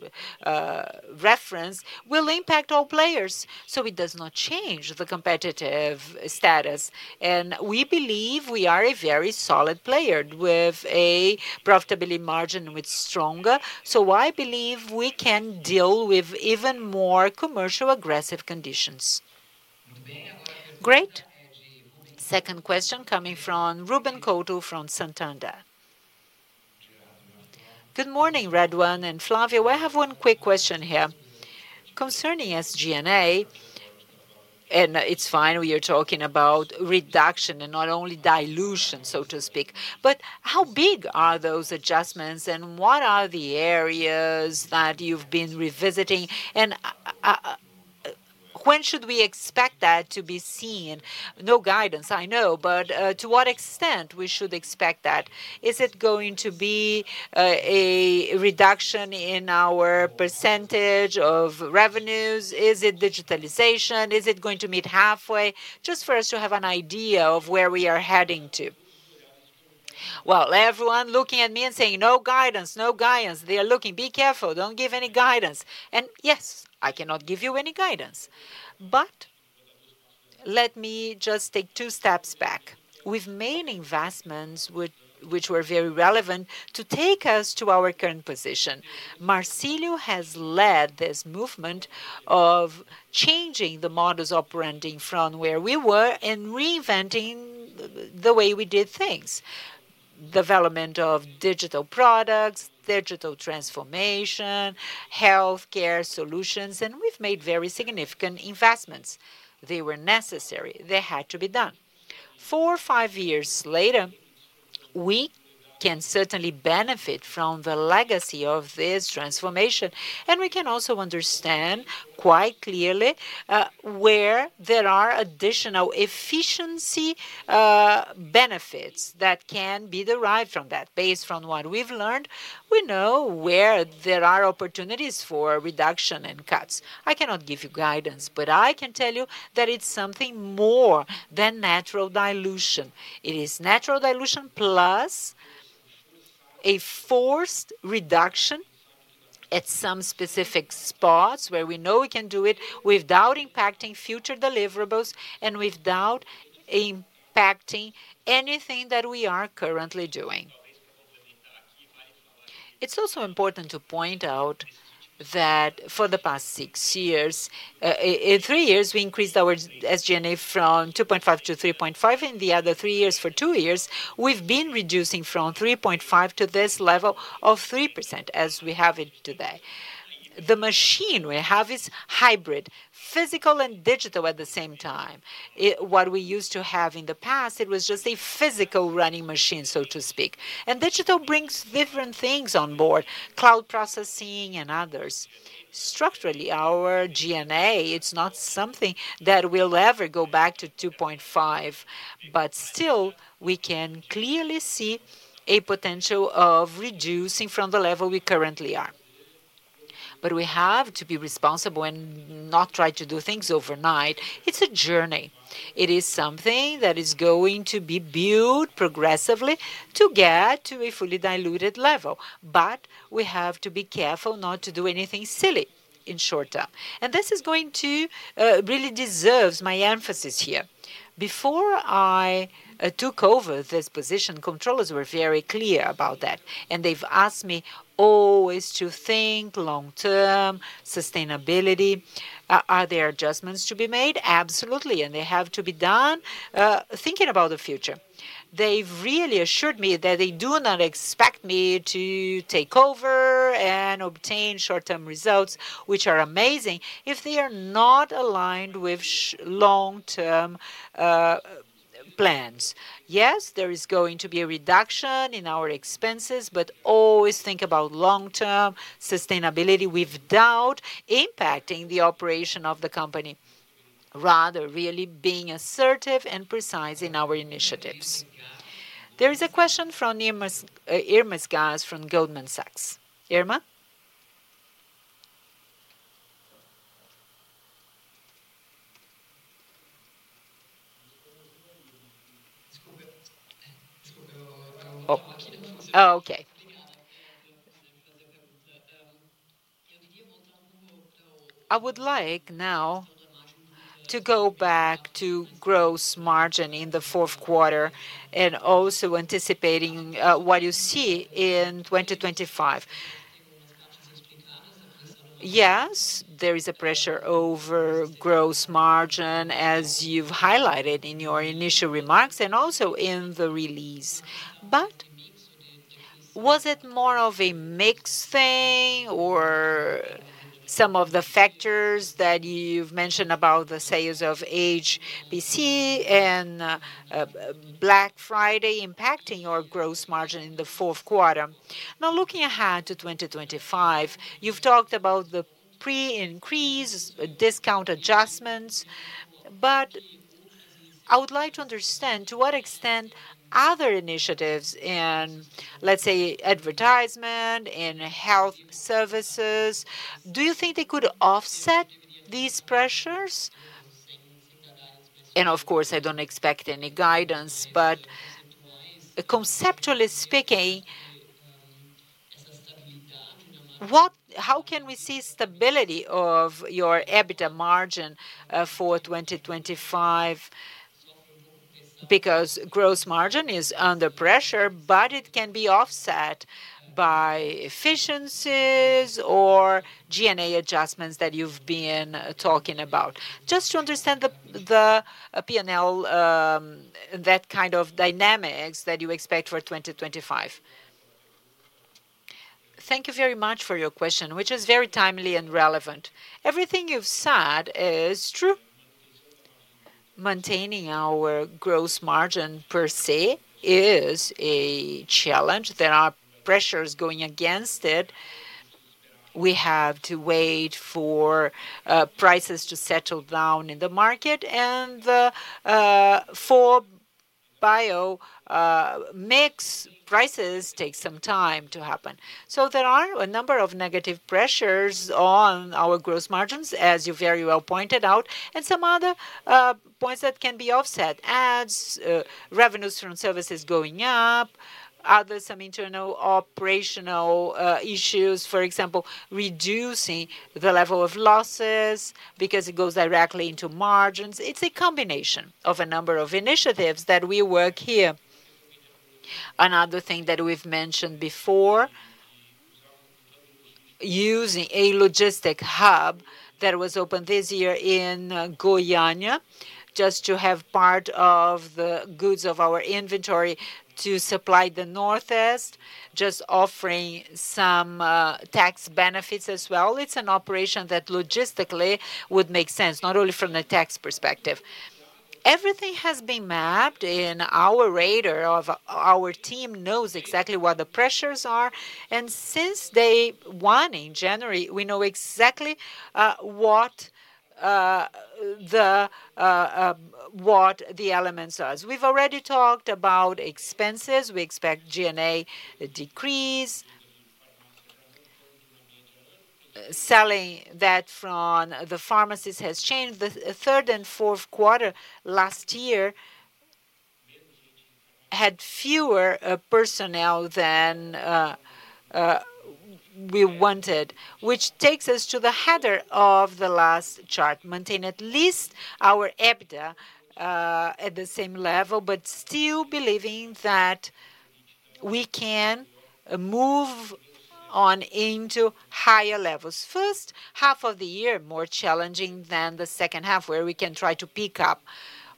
reference will impact all players. So it does not change the competitive status. And we believe we are a very solid player with a profitability margin with stronger. So I believe we can deal with even more commercial aggressive conditions. Great. Second question coming from Ruben Couto from Santander. Good morning, Renato and Flávio. I have one quick question here. Concerning SG&A, and it's fine, we are talking about reduction and not only dilution, so to speak, but how big are those adjustments and what are the areas that you've been revisiting? And when should we expect that to be seen? No guidance, I know, but to what extent we should expect that? Is it going to be a reduction in our percentage of revenues? Is it digitalization? Is it going to meet halfway? Just for us to have an idea of where we are heading to. Well, everyone looking at me and saying, "No guidance, no guidance." They are looking, "Be careful, don't give any guidance." And yes, I cannot give you any guidance. But let me just take two steps back. We've made investments which were very relevant to take us to our current position. Marcílio has led this movement of changing the models operating from where we were and reinventing the way we did things. Development of digital products, digital transformation, healthcare solutions, and we've made very significant investments. They were necessary. They had to be done. Four, five years later, we can certainly benefit from the legacy of this transformation, and we can also understand quite clearly where there are additional efficiency benefits that can be derived from that. Based on what we've learned, we know where there are opportunities for reduction and cuts. I cannot give you guidance, but I can tell you that it's something more than natural dilution. It is natural dilution plus a forced reduction at some specific spots where we know we can do it without impacting future deliverables and without impacting anything that we are currently doing. It's also important to point out that for the past six years, in three years, we increased our SG&A from 2.5% to 3.5%, and the other three years, for two years, we've been reducing from 3.5% to this level of 3% as we have it today. The machine we have is hybrid, physical and digital at the same time. What we used to have in the past, it was just a physical running machine, so to speak, and digital brings different things on board, cloud processing and others. Structurally, our SG&A, it's not something that will ever go back to 2.5%, but still we can clearly see a potential of reducing from the level we currently are. But we have to be responsible and not try to do things overnight. It's a journey. It is something that is going to be built progressively to get to a fully diluted level. But we have to be careful not to do anything silly in short term. And this is going to really deserve my emphasis here. Before I took over this position, controllers were very clear about that. And they've asked me always to think long-term, sustainability. Are there adjustments to be made? Absolutely. And they have to be done thinking about the future. They've really assured me that they do not expect me to take over and obtain short-term results, which are amazing, if they are not aligned with long-term plans. Yes, there is going to be a reduction in our expenses, but always think about long-term sustainability without impacting the operation of the company, rather really being assertive and precise in our initiatives. There is a question from Irma Sgarz from Goldman Sachs. Irma? Oh, okay. I would like now to go back to gross margin in the fourth quarter and also anticipating what you see in 2025. Yes, there is a pressure over gross margin, as you've highlighted in your initial remarks and also in the release. But was it more of a mixed thing or some of the factors that you've mentioned about the sales of HPC and Black Friday impacting your gross margin in the fourth quarter? Now, looking ahead to 2025, you've talked about the pre-increase discount adjustments, but I would like to understand to what extent other initiatives in, let's say, advertisement and health services, do you think they could offset these pressures? And of course, I don't expect any guidance, but conceptually speaking, how can we see stability of your EBITDA margin for 2025? Because gross margin is under pressure, but it can be offset by efficiencies or SG&A adjustments that you've been talking about. Just to understand the P&L, that kind of dynamics that you expect for 2025. Thank you very much for your question, which is very timely and relevant. Everything you've said is true. Maintaining our gross margin per se is a challenge. There are pressures going against it. We have to wait for prices to settle down in the market, and for bio mix prices take some time to happen. So there are a number of negative pressures on our gross margins, as you very well pointed out, and some other points that can be offset. Ads, revenues from services going up, other some internal operational issues, for example, reducing the level of losses because it goes directly into margins. It's a combination of a number of initiatives that we work here. Another thing that we've mentioned before, using a logistic hub that was opened this year in Goiânia just to have part of the goods of our inventory to supply the Northeast, just offering some tax benefits as well. It's an operation that logistically would make sense, not only from the tax perspective. Everything has been mapped in our radar of our team knows exactly what the pressures are. And since day one in January, we know exactly what the elements are. We've already talked about expenses. We expect SG&A decrease. Selling that from the pharmacies has changed. The third and fourth quarter last year had fewer personnel than we wanted, which takes us to the header of the last chart. Maintain at least our EBITDA at the same level, but still believing that we can move on into higher levels. First half of the year, more challenging than the second half where we can try to pick up.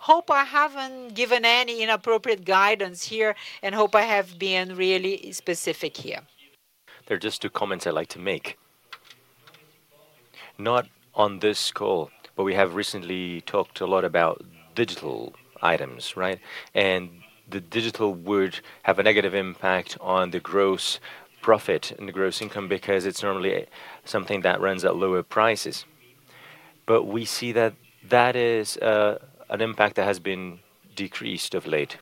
Hope I haven't given any inappropriate guidance here and hope I have been really specific here. There are just two comments I'd like to make. Not on this call, but we have recently talked a lot about digital items, right? And the digital would have a negative impact on the gross profit and the gross income because it's normally something that runs at lower prices. But we see that that is an impact that has been decreased of late.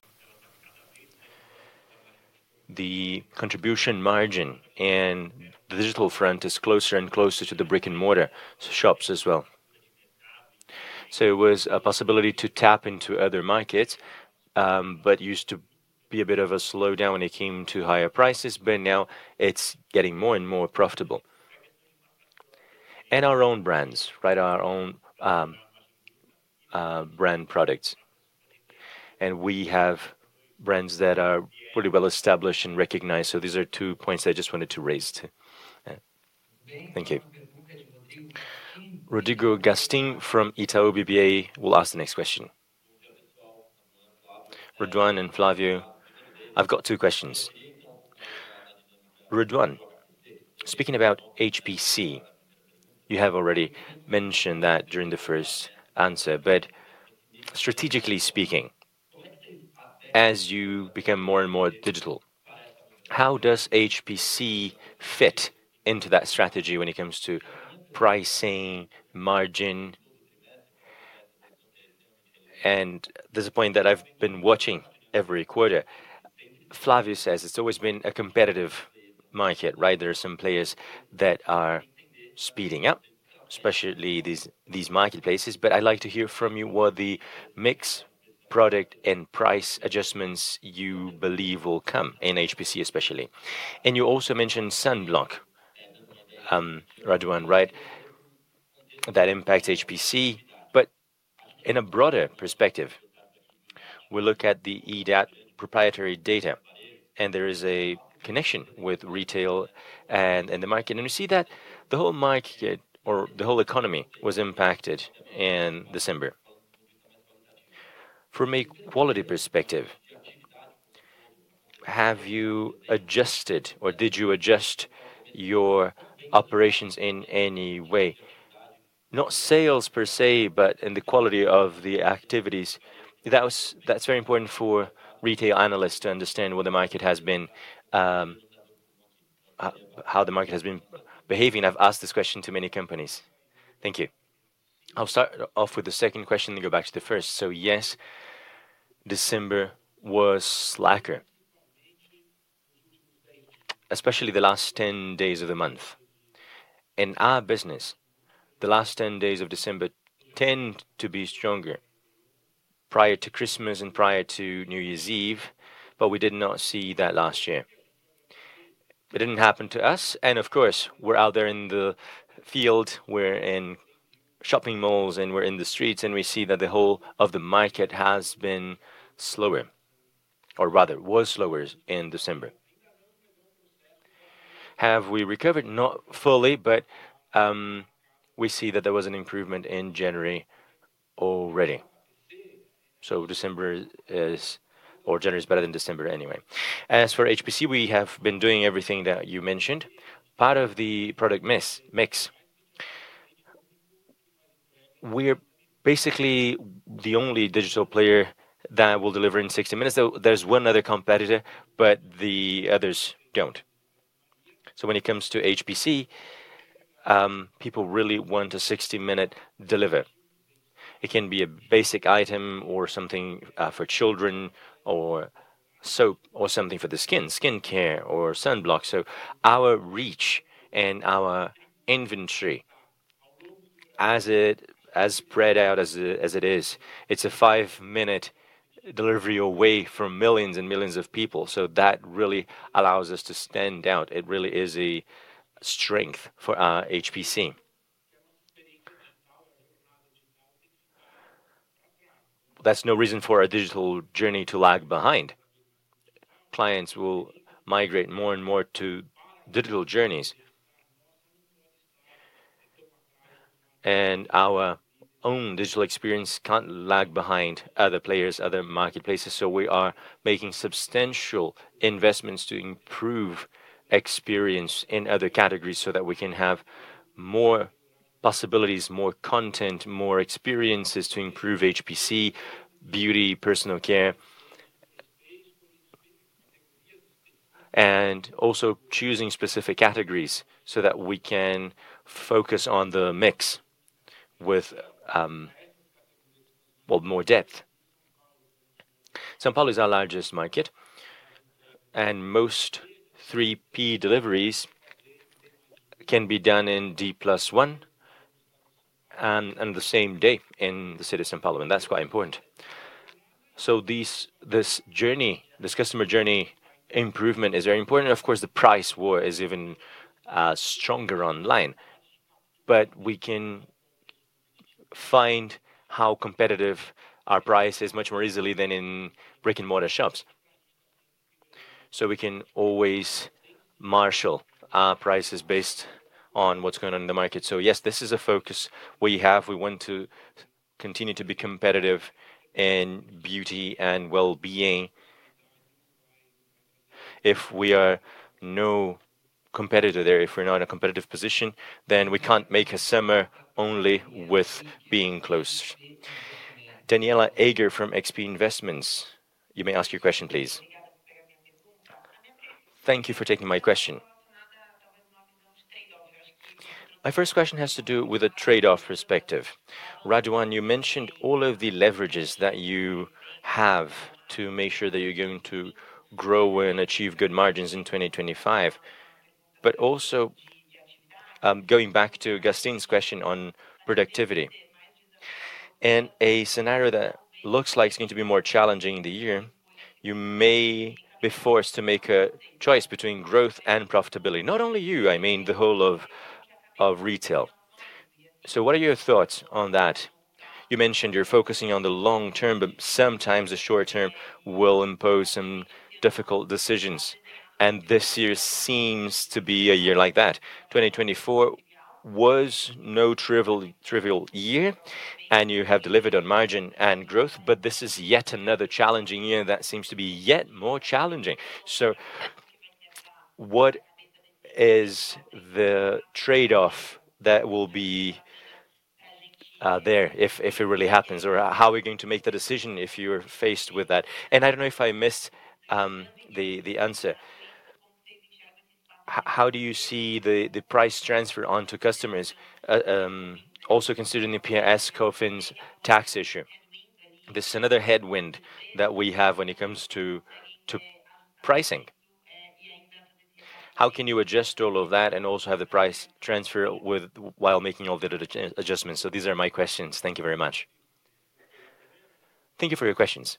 The contribution margin in the digital front is closer and closer to the brick-and-mortar shops as well. So it was a possibility to tap into other markets, but used to be a bit of a slowdown when it came to higher prices, but now it's getting more and more profitable. And our own brands, right? Our own brand products. And we have brands that are pretty well established and recognized. So these are two points I just wanted to raise. Thank you. Rodrigo Gastim from Itaú BBA will ask the next question. Renato and Flávio, I've got two questions. Renato, speaking about HPC, you have already mentioned that during the first answer, but strategically speaking, as you become more and more digital, how does HPC fit into that strategy when it comes to pricing, margin? And there's a point that I've been watching every quarter. Flávio says it's always been a competitive market, right? There are some players that are speeding up, especially these marketplaces. But I'd like to hear from you what the mixed product and price adjustments you believe will come in HPC, especially. And you also mentioned sunscreen, Renato, right? That impacts HPC, but in a broader perspective, we look at the Ebit proprietary data, and there is a connection with retail and the market. And we see that the whole market or the whole economy was impacted in December. From a quality perspective, have you adjusted or did you adjust your operations in any way? Not sales per se, but in the quality of the activities. That's very important for retail analysts to understand how the market has been behaving. I've asked this question to many companies. Thank you. I'll start off with the second question and go back to the first. So yes, December was slack, especially the last 10 days of the month. In our business, the last 10 days of December tend to be stronger prior to Christmas and prior to New Year's Eve, but we did not see that last year. It didn't happen to us. And of course, we're out there in the field. We're in shopping malls and we're in the streets, and we see that the whole of the market has been slower, or rather, was slower in December. Have we recovered? Not fully, but we see that there was an improvement in January already. So December is, or January is better than December anyway. As for HPC, we have been doing everything that you mentioned. Part of the product mix. We're basically the only digital player that will deliver in 60 minutes. There's one other competitor, but the others don't. So when it comes to HPC, people really want a 60-minute delivery. It can be a basic item or something for children or soap or something for the skin, skin care or sunblock. So our reach and our inventory, as spread out as it is, it's a five-minute delivery away from millions and millions of people. So that really allows us to stand out. It really is a strength for our HPC. That's no reason for our digital journey to lag behind. Clients will migrate more and more to digital journeys. And our own digital experience can't lag behind other players, other marketplaces. We are making substantial investments to improve experience in other categories so that we can have more possibilities, more content, more experiences to improve HPC, beauty, personal care, and also choosing specific categories so that we can focus on the mix with more depth. São Paulo is our largest market, and most 3P deliveries can be done in D+1 and the same day in the city of São Paulo, and that's quite important. This journey, this customer journey improvement is very important. Of course, the price war is even stronger online. We can find how competitive our price is much more easily than in brick-and-mortar shops. We can always marshal our prices based on what's going on in the market. Yes, this is a focus we have. We want to continue to be competitive in beauty and well-being. If we are no competitor there, if we're not in a competitive position, then we can't make a summer only with being close. Daniela Eiger from XP Investments, you may ask your question, please. Thank you for taking my question. My first question has to do with a trade-off perspective. Renato, you mentioned all of the leverages that you have to make sure that you're going to grow and achieve good margins in 2025, but also going back to Gastim's question on productivity. In a scenario that looks like it's going to be more challenging in the year, you may be forced to make a choice between growth and profitability. Not only you, I mean the whole of retail. So what are your thoughts on that? You mentioned you're focusing on the long term, but sometimes the short term will impose some difficult decisions. This year seems to be a year like that. 2024 was no trivial year, and you have delivered on margin and growth, but this is yet another challenging year that seems to be yet more challenging. What is the trade-off that will be there if it really happens, or how are we going to make the decision if you're faced with that? I don't know if I missed the answer. How do you see the price transfer onto customers, also considering the PIS/COFINS tax issue? This is another headwind that we have when it comes to pricing. How can you adjust all of that and also have the price transfer while making all the adjustments? These are my questions. Thank you very much. Thank you for your questions.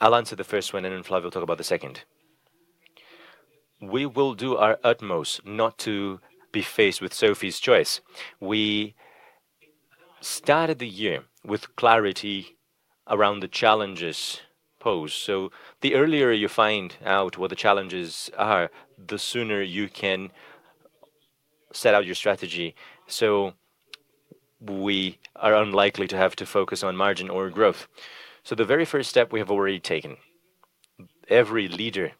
I'll answer the first one, and then Flávio will talk about the second. We will do our utmost not to be faced with Sophie's Choice. We started the year with clarity around the challenges posed. So the earlier you find out what the challenges are, the sooner you can set out your strategy. So we are unlikely to have to focus on margin or growth. So the very first step we have already taken, every leader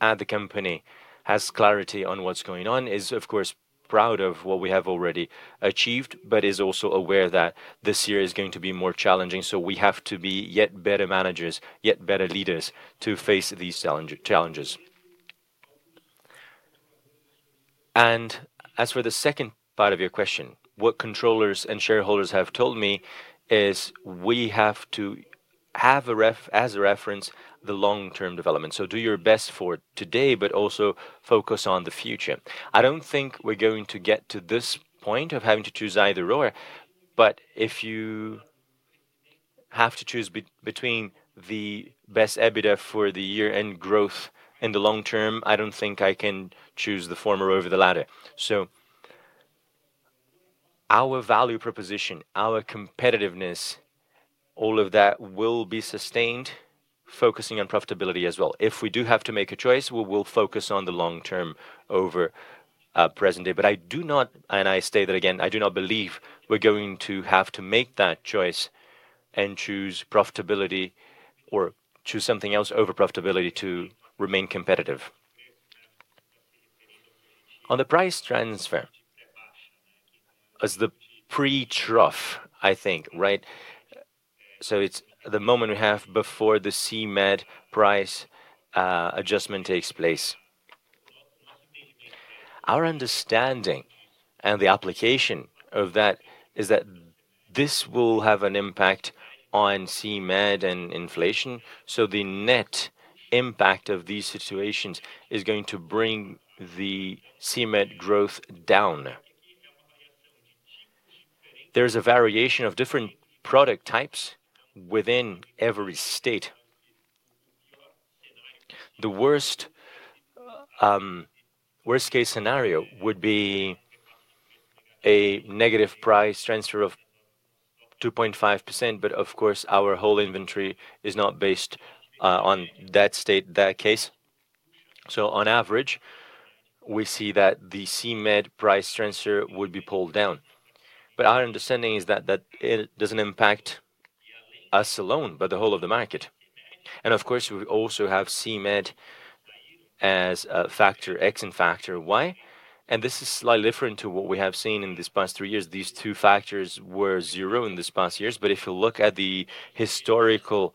at the company has clarity on what's going on, is of course proud of what we have already achieved, but is also aware that this year is going to be more challenging. So we have to be yet better managers, yet better leaders to face these challenges. And as for the second part of your question, what controllers and shareholders have told me is we have to have as a reference the long-term development. So do your best for today, but also focus on the future. I don't think we're going to get to this point of having to choose either or, but if you have to choose between the best EBITDA for the year and growth in the long term, I don't think I can choose the former over the latter. So our value proposition, our competitiveness, all of that will be sustained, focusing on profitability as well. If we do have to make a choice, we will focus on the long term over present day. But I do not, and I state that again, I do not believe we're going to have to make that choice and choose profitability or choose something else over profitability to remain competitive. On the price transfer, as the pass-through, I think, right? So it's the moment we have before the CMED price adjustment takes place. Our understanding and the application of that is that this will have an impact on CMED and inflation. So the net impact of these situations is going to bring the CMED growth down. There's a variation of different product types within every state. The worst-case scenario would be a negative price transfer of 2.5%, but of course, our whole inventory is not based on that state, that case. So on average, we see that the CMED price transfer would be pulled down. But our understanding is that it doesn't impact us alone, but the whole of the market. And of course, we also have CMED as a Factor X and Factor Y. And this is slightly different to what we have seen in these past three years. These two factors were zero in these past years. But if you look at the historical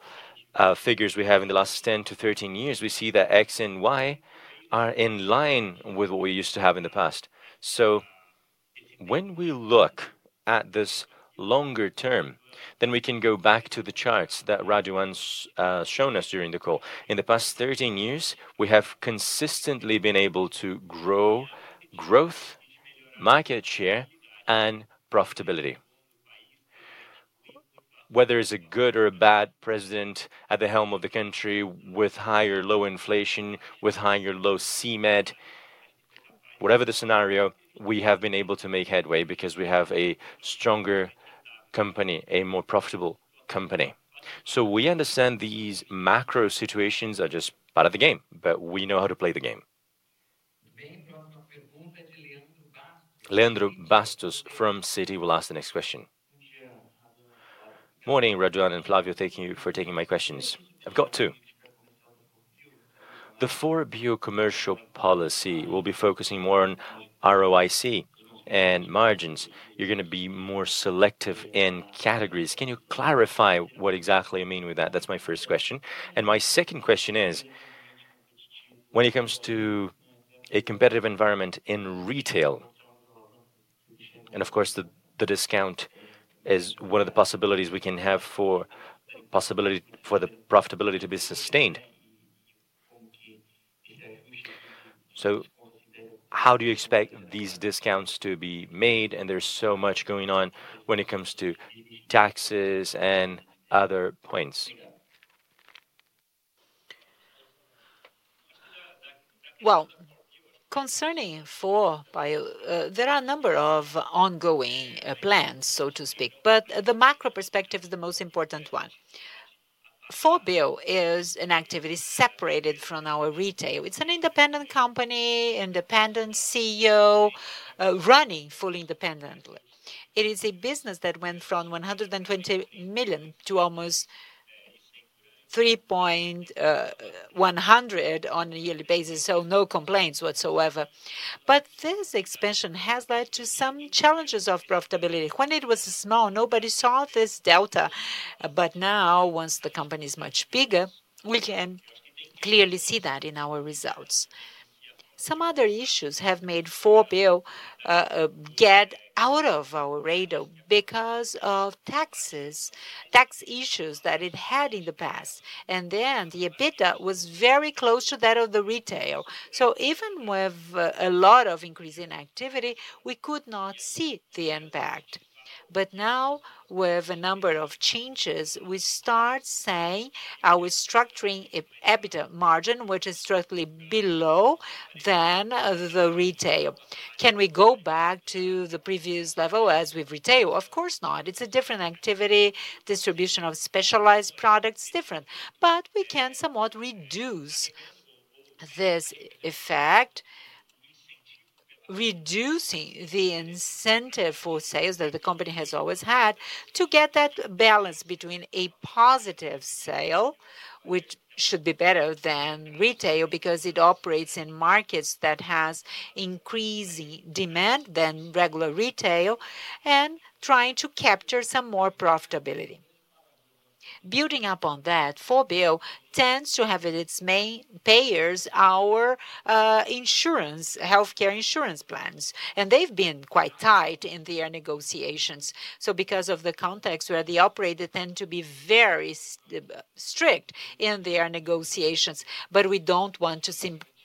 figures we have in the last 10 to 13 years, we see that X and Y are in line with what we used to have in the past. So when we look at this longer term, then we can go back to the charts that Renato's shown us during the call. In the past 13 years, we have consistently been able to grow growth, market share, and profitability. Whether it's a good or a bad president at the helm of the country with high or low inflation, with high or low CMED, whatever the scenario, we have been able to make headway because we have a stronger company, a more profitable company. So we understand these macro situations are just part of the game, but we know how to play the game. Leandro Bastos from Citi will ask the next question. Morning, Renato and Flávio, thank you for taking my questions. I've got two. The 4Bio commercial policy will be focusing more on ROIC and margins. You're going to be more selective in categories. Can you clarify what exactly you mean with that? That's my first question. My second question is, when it comes to a competitive environment in retail, and of course, the discount is one of the possibilities we can have for the profitability to be sustained. So how do you expect these discounts to be made? And there's so much going on when it comes to taxes and other points. Concerning 4Bio, there are a number of ongoing plans, so to speak, but the macro perspective is the most important one. 4Bio is an activity separated from our retail. It's an independent company, independent CEO, running fully independently. It is a business that went from 120 million to almost 3,100 million on a yearly basis, so no complaints whatsoever. But this expansion has led to some challenges of profitability. When it was small, nobody saw this delta, but now, once the company is much bigger, we can clearly see that in our results. Some other issues have made 4Bio get out of our radar because of tax issues that it had in the past. And then the EBITDA was very close to that of the retail. So even with a lot of increase in activity, we could not see the impact. But now, with a number of changes, we start saying our structuring EBITDA margin, which is structurally below than the retail. Can we go back to the previous level as with retail? Of course not. It's a different activity. Distribution of specialized products is different. But we can somewhat reduce this effect, reducing the incentive for sales that the company has always had to get that balance between a positive sale, which should be better than retail because it operates in markets that have increasing demand than regular retail, and trying to capture some more profitability. Building up on that, 4Bio tends to have its payers are our healthcare insurance plans. And they've been quite tight in their negotiations. So because of the context where they operate, they tend to be very strict in their negotiations. But we don't want to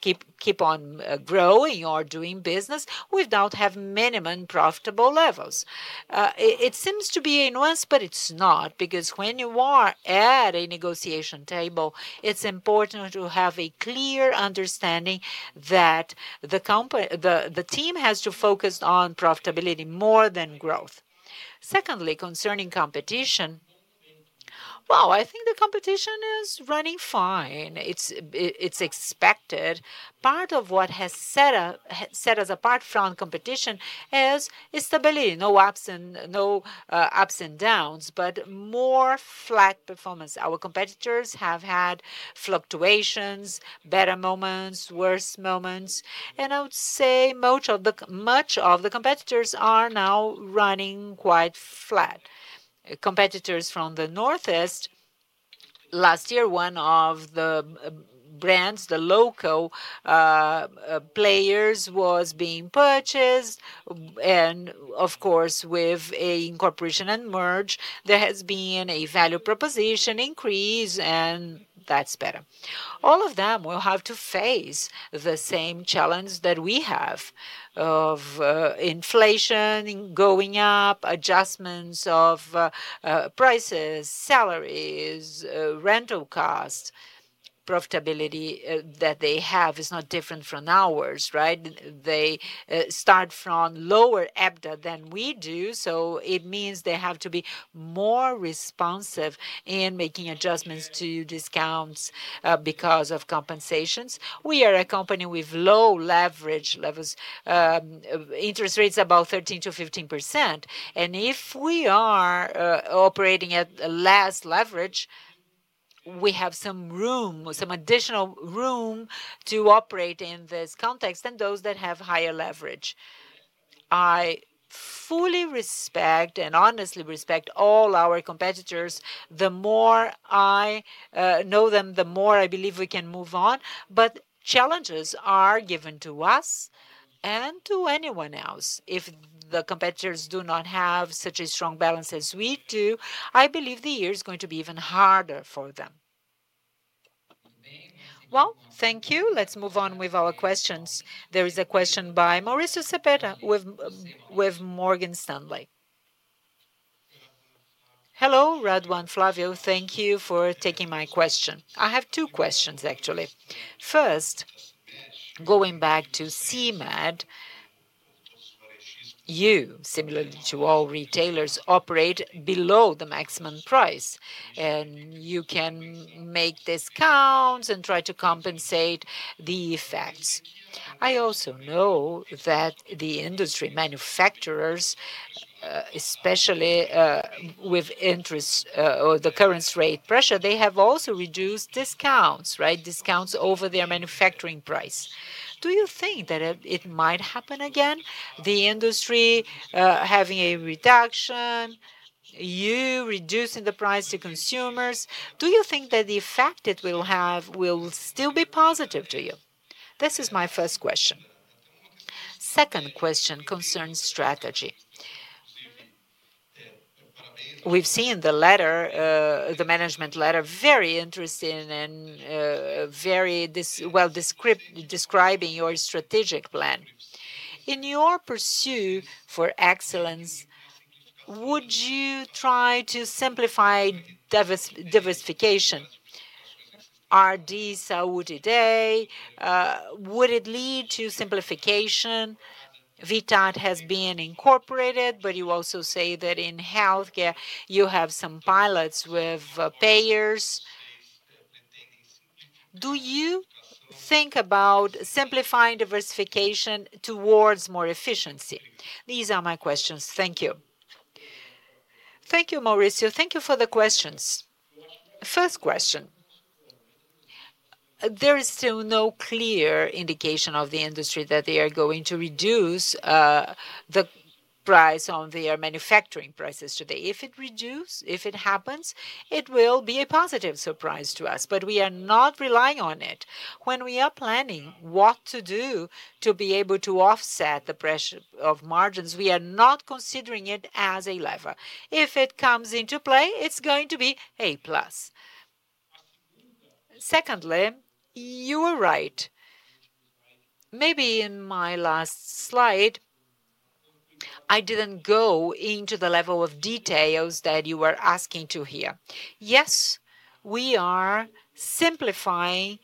keep on growing or doing business without having minimum profitable levels. It seems to be a nuance, but it's not, because when you are at a negotiation table, it's important to have a clear understanding that the team has to focus on profitability more than growth. Secondly, concerning competition, well, I think the competition is running fine. It's expected. Part of what has set us apart from competition is stability, no ups and downs, but more flat performance. Our competitors have had fluctuations, better moments, worse moments. And I would say much of the competitors are now running quite flat. Competitors from the Northeast, last year, one of the brands, the local players, was being purchased. And of course, with an incorporation and merger, there has been a value proposition increase, and that's better. All of them will have to face the same challenge that we have of inflation going up, adjustments of prices, salaries, rental costs. Profitability that they have is not different from ours, right? They start from lower EBITDA than we do, so it means they have to be more responsive in making adjustments to discounts because of compensations. We are a company with low leverage levels, interest rates about 13%-15%. And if we are operating at less leverage, we have some room, some additional room to operate in this context than those that have higher leverage. I fully respect and honestly respect all our competitors. The more I know them, the more I believe we can move on. But challenges are given to us and to anyone else. If the competitors do not have such a strong balance as we do, I believe the year is going to be even harder for them. Well, thank you. Let's move on with our questions. There is a question by Mauricio Cepeda with Morgan Stanley. Hello, Renato and Flávio. Thank you for taking my question. I have two questions, actually. First, going back to CMED, you, similarly to all retailers, operate below the maximum price. You can make discounts and try to compensate the effects. I also know that the industry, manufacturers, especially with interest or the current rate pressure, they have also reduced discounts, right? Discounts over their manufacturing price. Do you think that it might happen again? The industry having a reduction, you reducing the price to consumers, do you think that the effect it will have will still be positive to you? This is my first question. Second question concerns strategy. We've seen the management letter, very interesting and very well describing your strategic plan. In your pursuit for excellence, would you try to simplify diversification? RD Saúde, would it lead to simplification? Vitat has been incorporated, but you also say that in healthcare, you have some pilots with payers. Do you think about simplifying diversification towards more efficiency? These are my questions. Thank you. Thank you, Mauricio. Thank you for the questions. First question. There is still no clear indication of the industry that they are going to reduce the price on their manufacturing prices today. If it happens, it will be a positive surprise to us, but we are not relying on it. When we are planning what to do to be able to offset the pressure of margins, we are not considering it as a lever. If it comes into play, it's going to be A plus. Secondly, you were right. Maybe in my last slide, I didn't go into the level of details that you were asking to hear. Yes, we are simplifying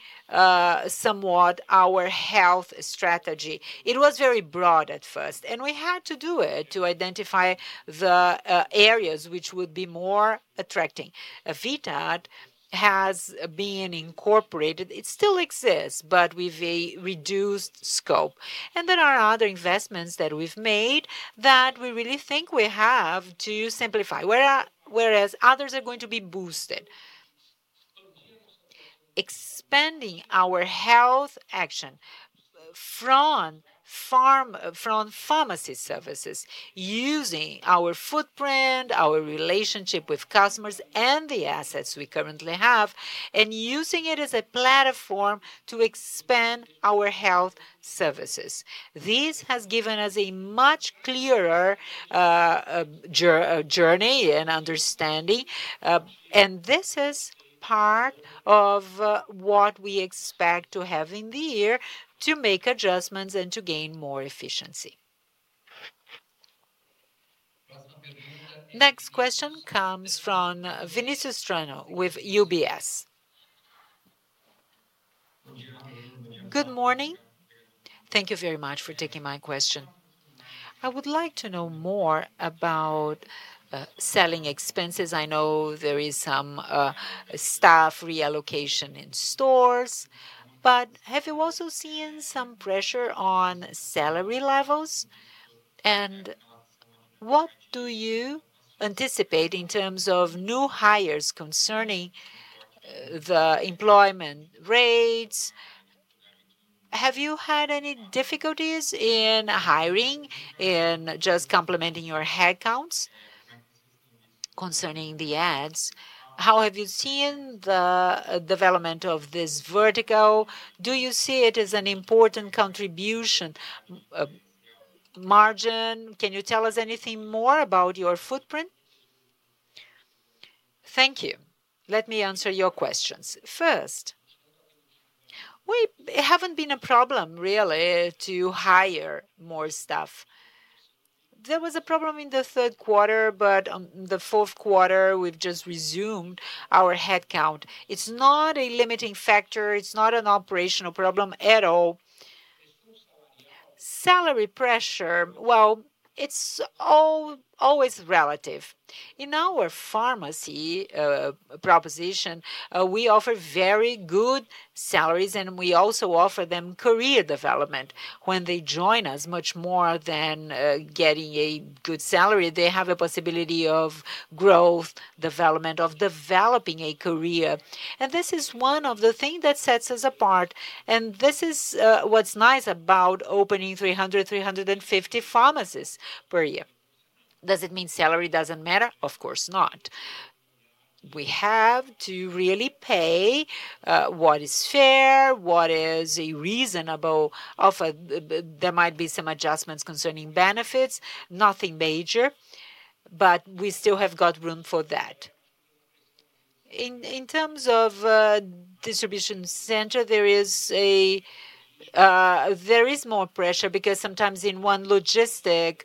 somewhat our health strategy. It was very broad at first, and we had to do it to identify the areas which would be more attracting. Vitat has been incorporated. It still exists, but with a reduced scope. There are other investments that we've made that we really think we have to simplify, whereas others are going to be boosted. Expanding our health action from pharmacy services, using our footprint, our relationship with customers, and the assets we currently have, and using it as a platform to expand our health services. This has given us a much clearer journey and understanding. This is part of what we expect to have in the year to make adjustments and to gain more efficiency. Next question comes from Vinicius Strano with UBS. Good morning. Thank you very much for taking my question. I would like to know more about selling expenses. I know there is some staff reallocation in stores, but have you also seen some pressure on salary levels? And what do you anticipate in terms of new hires concerning the employment rates? Have you had any difficulties in hiring and just complementing your headcounts concerning the ads? How have you seen the development of this vertical? Do you see it as an important contribution margin? Can you tell us anything more about your footprint? Thank you. Let me answer your questions. First, we haven't been a problem, really, to hire more staff. There was a problem in the third quarter, but in the fourth quarter, we've just resumed our headcount. It's not a limiting factor. It's not an operational problem at all. Salary pressure, well, it's always relative. In our pharmacy proposition, we offer very good salaries, and we also offer them career development. When they join us, much more than getting a good salary, they have a possibility of growth, development of developing a career, and this is one of the things that sets us apart. This is what's nice about opening 300, 350 pharmacies per year. Does it mean salary doesn't matter? Of course not. We have to really pay what is fair, what is a reasonable offer. There might be some adjustments concerning benefits, nothing major, but we still have got room for that. In terms of distribution center, there is more pressure because sometimes in one logistic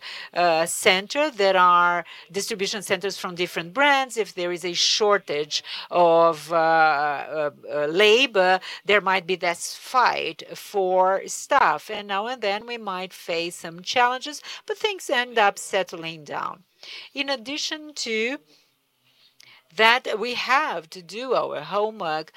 center, there are distribution centers from different brands. If there is a shortage of labor, there might be less fight for staff. And now and then, we might face some challenges, but things end up settling down. In addition to that, we have to do our homework,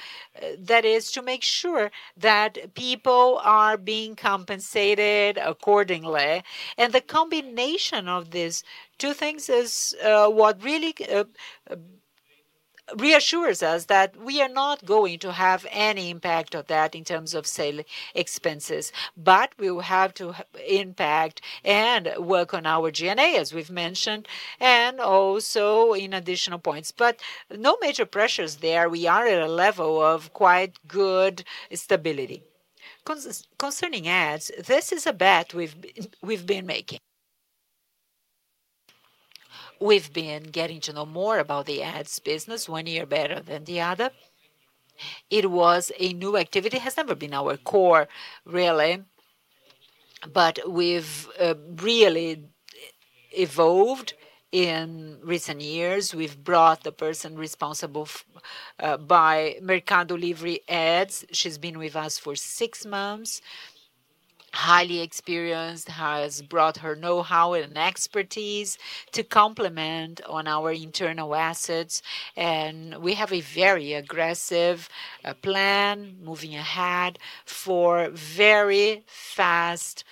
that is, to make sure that people are being compensated accordingly. And the combination of these two things is what really reassures us that we are not going to have any impact on that in terms of sales expenses. But we will have to impact and work on our G&A, as we've mentioned, and also in additional points. But no major pressures there. We are at a level of quite good stability. Concerning ads, this is a bet we've been making. We've been getting to know more about the ads business, one year better than the other. It was a new activity. It has never been our core, really. But we've really evolved in recent years. We've brought the person responsible for Mercado Livre Ads. She's been with us for six months, highly experienced, has brought her know-how and expertise to complement our internal assets. And we have a very aggressive plan moving ahead for very fast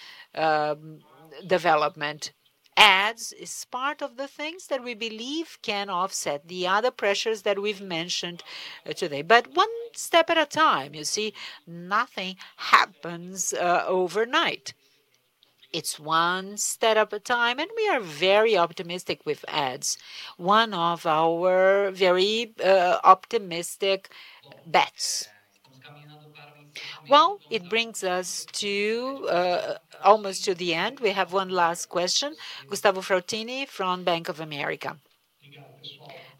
development. Ads is part of the things that we believe can offset the other pressures that we've mentioned today. But one step at a time. You see, nothing happens overnight. It's one step at a time, and we are very optimistic with ads. One of our very optimistic bets. Well, it brings us almost to the end. We have one last question. Gustavo Fratini from Bank of America.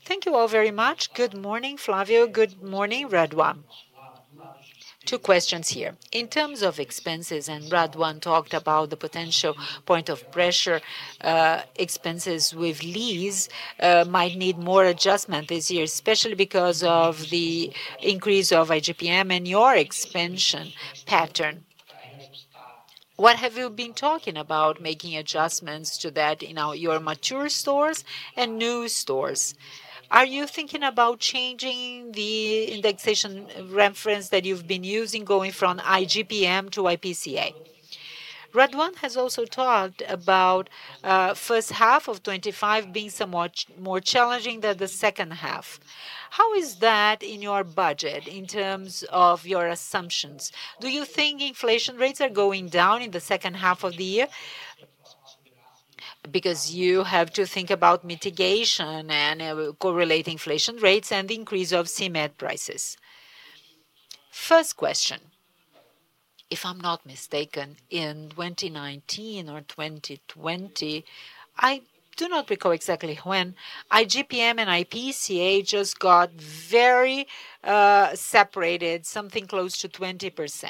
Thank you all very much. Good morning, Flávio. Good morning, Renato. Two questions here. In terms of expenses, and Renato talked about the potential point of pressure, expenses with lease might need more adjustment this year, especially because of the increase of IGP-M and your expansion pattern. What have you been talking about making adjustments to that in your mature stores and new stores? Are you thinking about changing the indexation reference that you've been using going from IGP-M to IPCA? Raduan has also talked about the first half of 2025 being somewhat more challenging than the second half. How is that in your budget in terms of your assumptions? Do you think inflation rates are going down in the second half of the year? Because you have to think about mitigation and correlating inflation rates and the increase of CMED prices. First question, if I'm not mistaken, in 2019 or 2020, I do not recall exactly when, IGP-M and IPCA just got very separated, something close to 20%.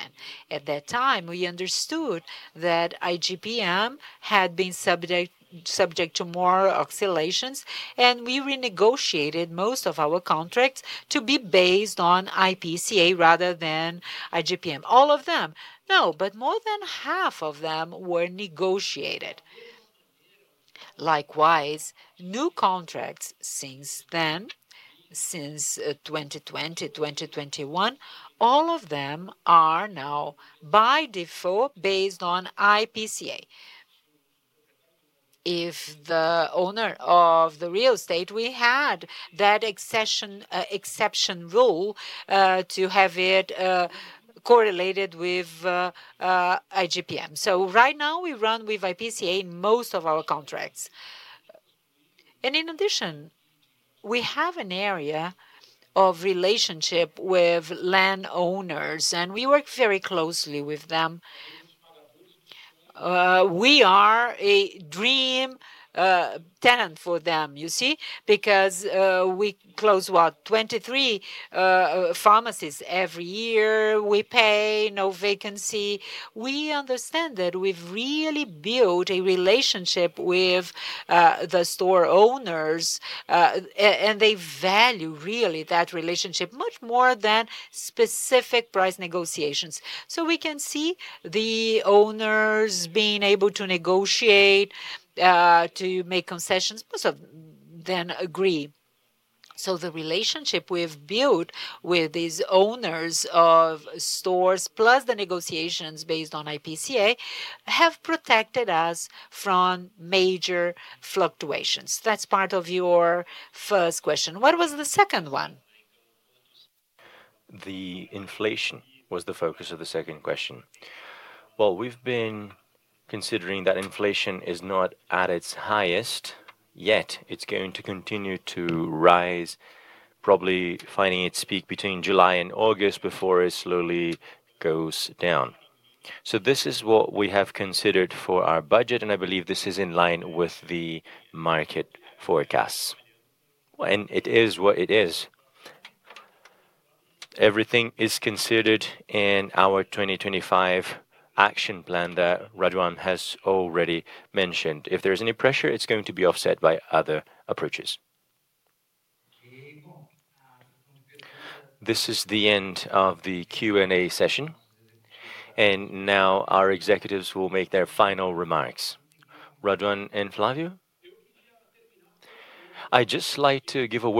At that time, we understood that IGP-M had been subject to more oscillations, and we renegotiated most of our contracts to be based on IPCA rather than IGP-M. All of them? No, but more than half of them were negotiated. Likewise, new contracts since then, since 2020, 2021, all of them are now by default based on IPCA. If the owner of the real estate, we had that exception rule to have it correlated with IGP-M, so right now, we run with IPCA in most of our contracts, and in addition, we have an area of relationship with landowners, and we work very closely with them. We are a dream tenant for them, you see, because we close what, 23 pharmacies every year. We pay no vacancy. We understand that we've really built a relationship with the store owners, and they value really that relationship much more than specific price negotiations, so we can see the owners being able to negotiate, to make concessions, most of them agree, so the relationship we've built with these owners of stores, plus the negotiations based on IPCA, have protected us from major fluctuations. That's part of your first question. What was the second one? The inflation was the focus of the second question. We've been considering that inflation is not at its highest yet. It's going to continue to rise, probably finding its peak between July and August before it slowly goes down. This is what we have considered for our budget, and I believe this is in line with the market forecasts. It is what it is. Everything is considered in our 2025 action plan that Renato Raduan has already mentioned. If there's any pressure, it's going to be offset by other approaches. This is the end of the Q&A session, and now our executives will make their final remarks. Renato Raduan and Flávio, I'd just like to give a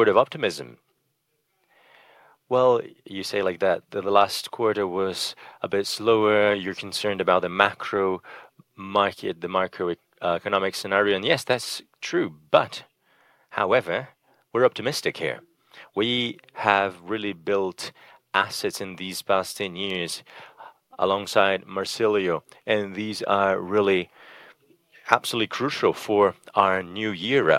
word of optimism. You say like that the last quarter was a bit slower. You're concerned about the macro market, the macroeconomic scenario. Yes, that's true. However, we're optimistic here. We have really built assets in these past 10 years alongside Marcílio, and these are really absolutely crucial for our new era.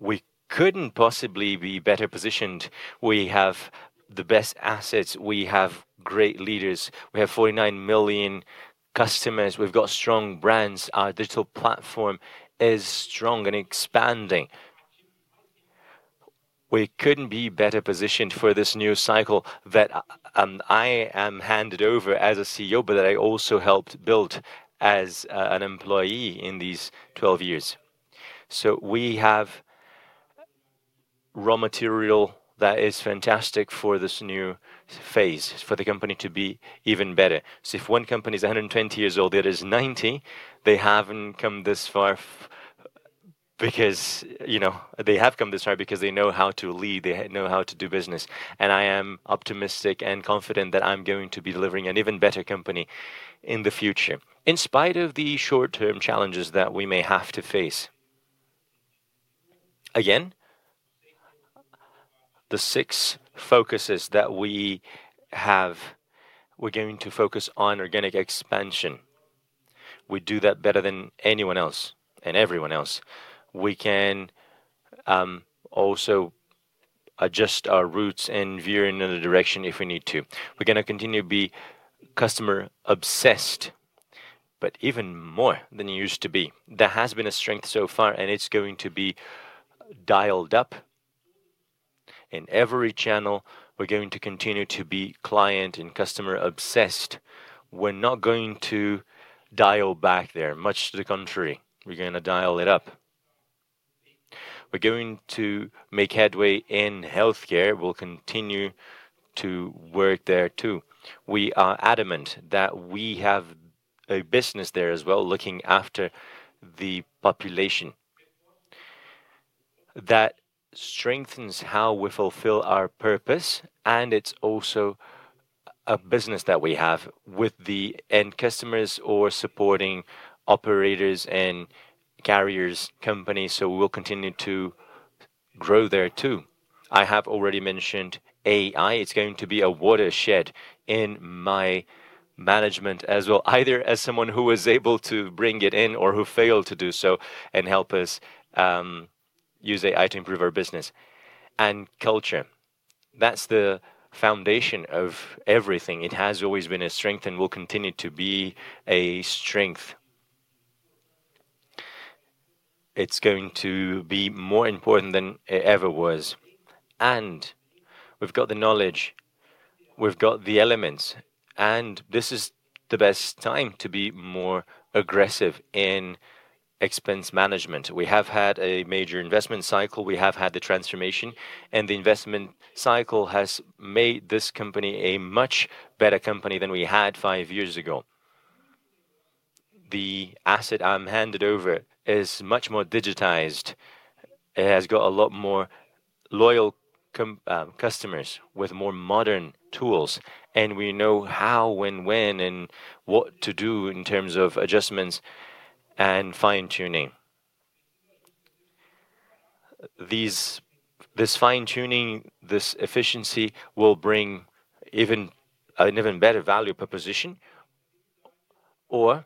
We couldn't possibly be better positioned. We have the best assets. We have great leaders. We have 49 million customers. We've got strong brands. Our digital platform is strong and expanding. We couldn't be better positioned for this new cycle that I am handed over as a CEO, but that I also helped build as an employee in these 12 years. We have raw material that is fantastic for this new phase, for the company to be even better. If one company is 120 years old, the other is 90, they have come this far because they know how to lead. They know how to do business. I am optimistic and confident that I'm going to be delivering an even better company in the future, in spite of the short-term challenges that we may have to face. Again, the six focuses that we have, we're going to focus on organic expansion. We do that better than anyone else and everyone else. We can also adjust our routes and veer in another direction if we need to. We're going to continue to be customer-obsessed, but even more than you used to be. There has been a strength so far, and it's going to be dialed up. In every channel, we're going to continue to be client and customer-obsessed. We're not going to dial back there, much to the contrary. We're going to dial it up. We're going to make headway in healthcare. We'll continue to work there too. We are adamant that we have a business there as well, looking after the population. That strengthens how we fulfill our purpose, and it's also a business that we have with the end customers or supporting operators and carriers companies, so we'll continue to grow there too. I have already mentioned AI. It's going to be a watershed in my management as well, either as someone who was able to bring it in or who failed to do so and help us use AI to improve our business and culture. That's the foundation of everything. It has always been a strength and will continue to be a strength. It's going to be more important than it ever was, and we've got the knowledge. We've got the elements, and this is the best time to be more aggressive in expense management. We have had a major investment cycle. We have had the transformation, and the investment cycle has made this company a much better company than we had five years ago. The asset I'm handed over is much more digitized. It has got a lot more loyal customers with more modern tools. And we know how, when, and what to do in terms of adjustments and fine-tuning. This fine-tuning, this efficiency will bring an even better value proposition or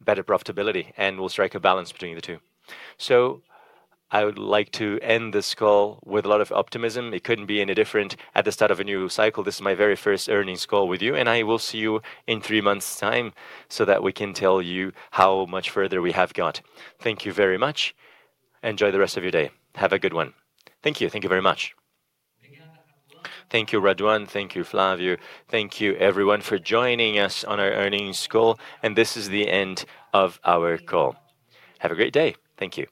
better profitability and will strike a balance between the two. So I would like to end this call with a lot of optimism. It couldn't be any different at the start of a new cycle. This is my very first earnings call with you, and I will see you in three months' time so that we can tell you how much further we have got. Thank you very much. Enjoy the rest of your day. Have a good one. Thank you. Thank you very much. Thank you, Renato. Thank you, Flávio. Thank you, everyone, for joining us on our earnings call. And this is the end of our call. Have a great day. Thank you.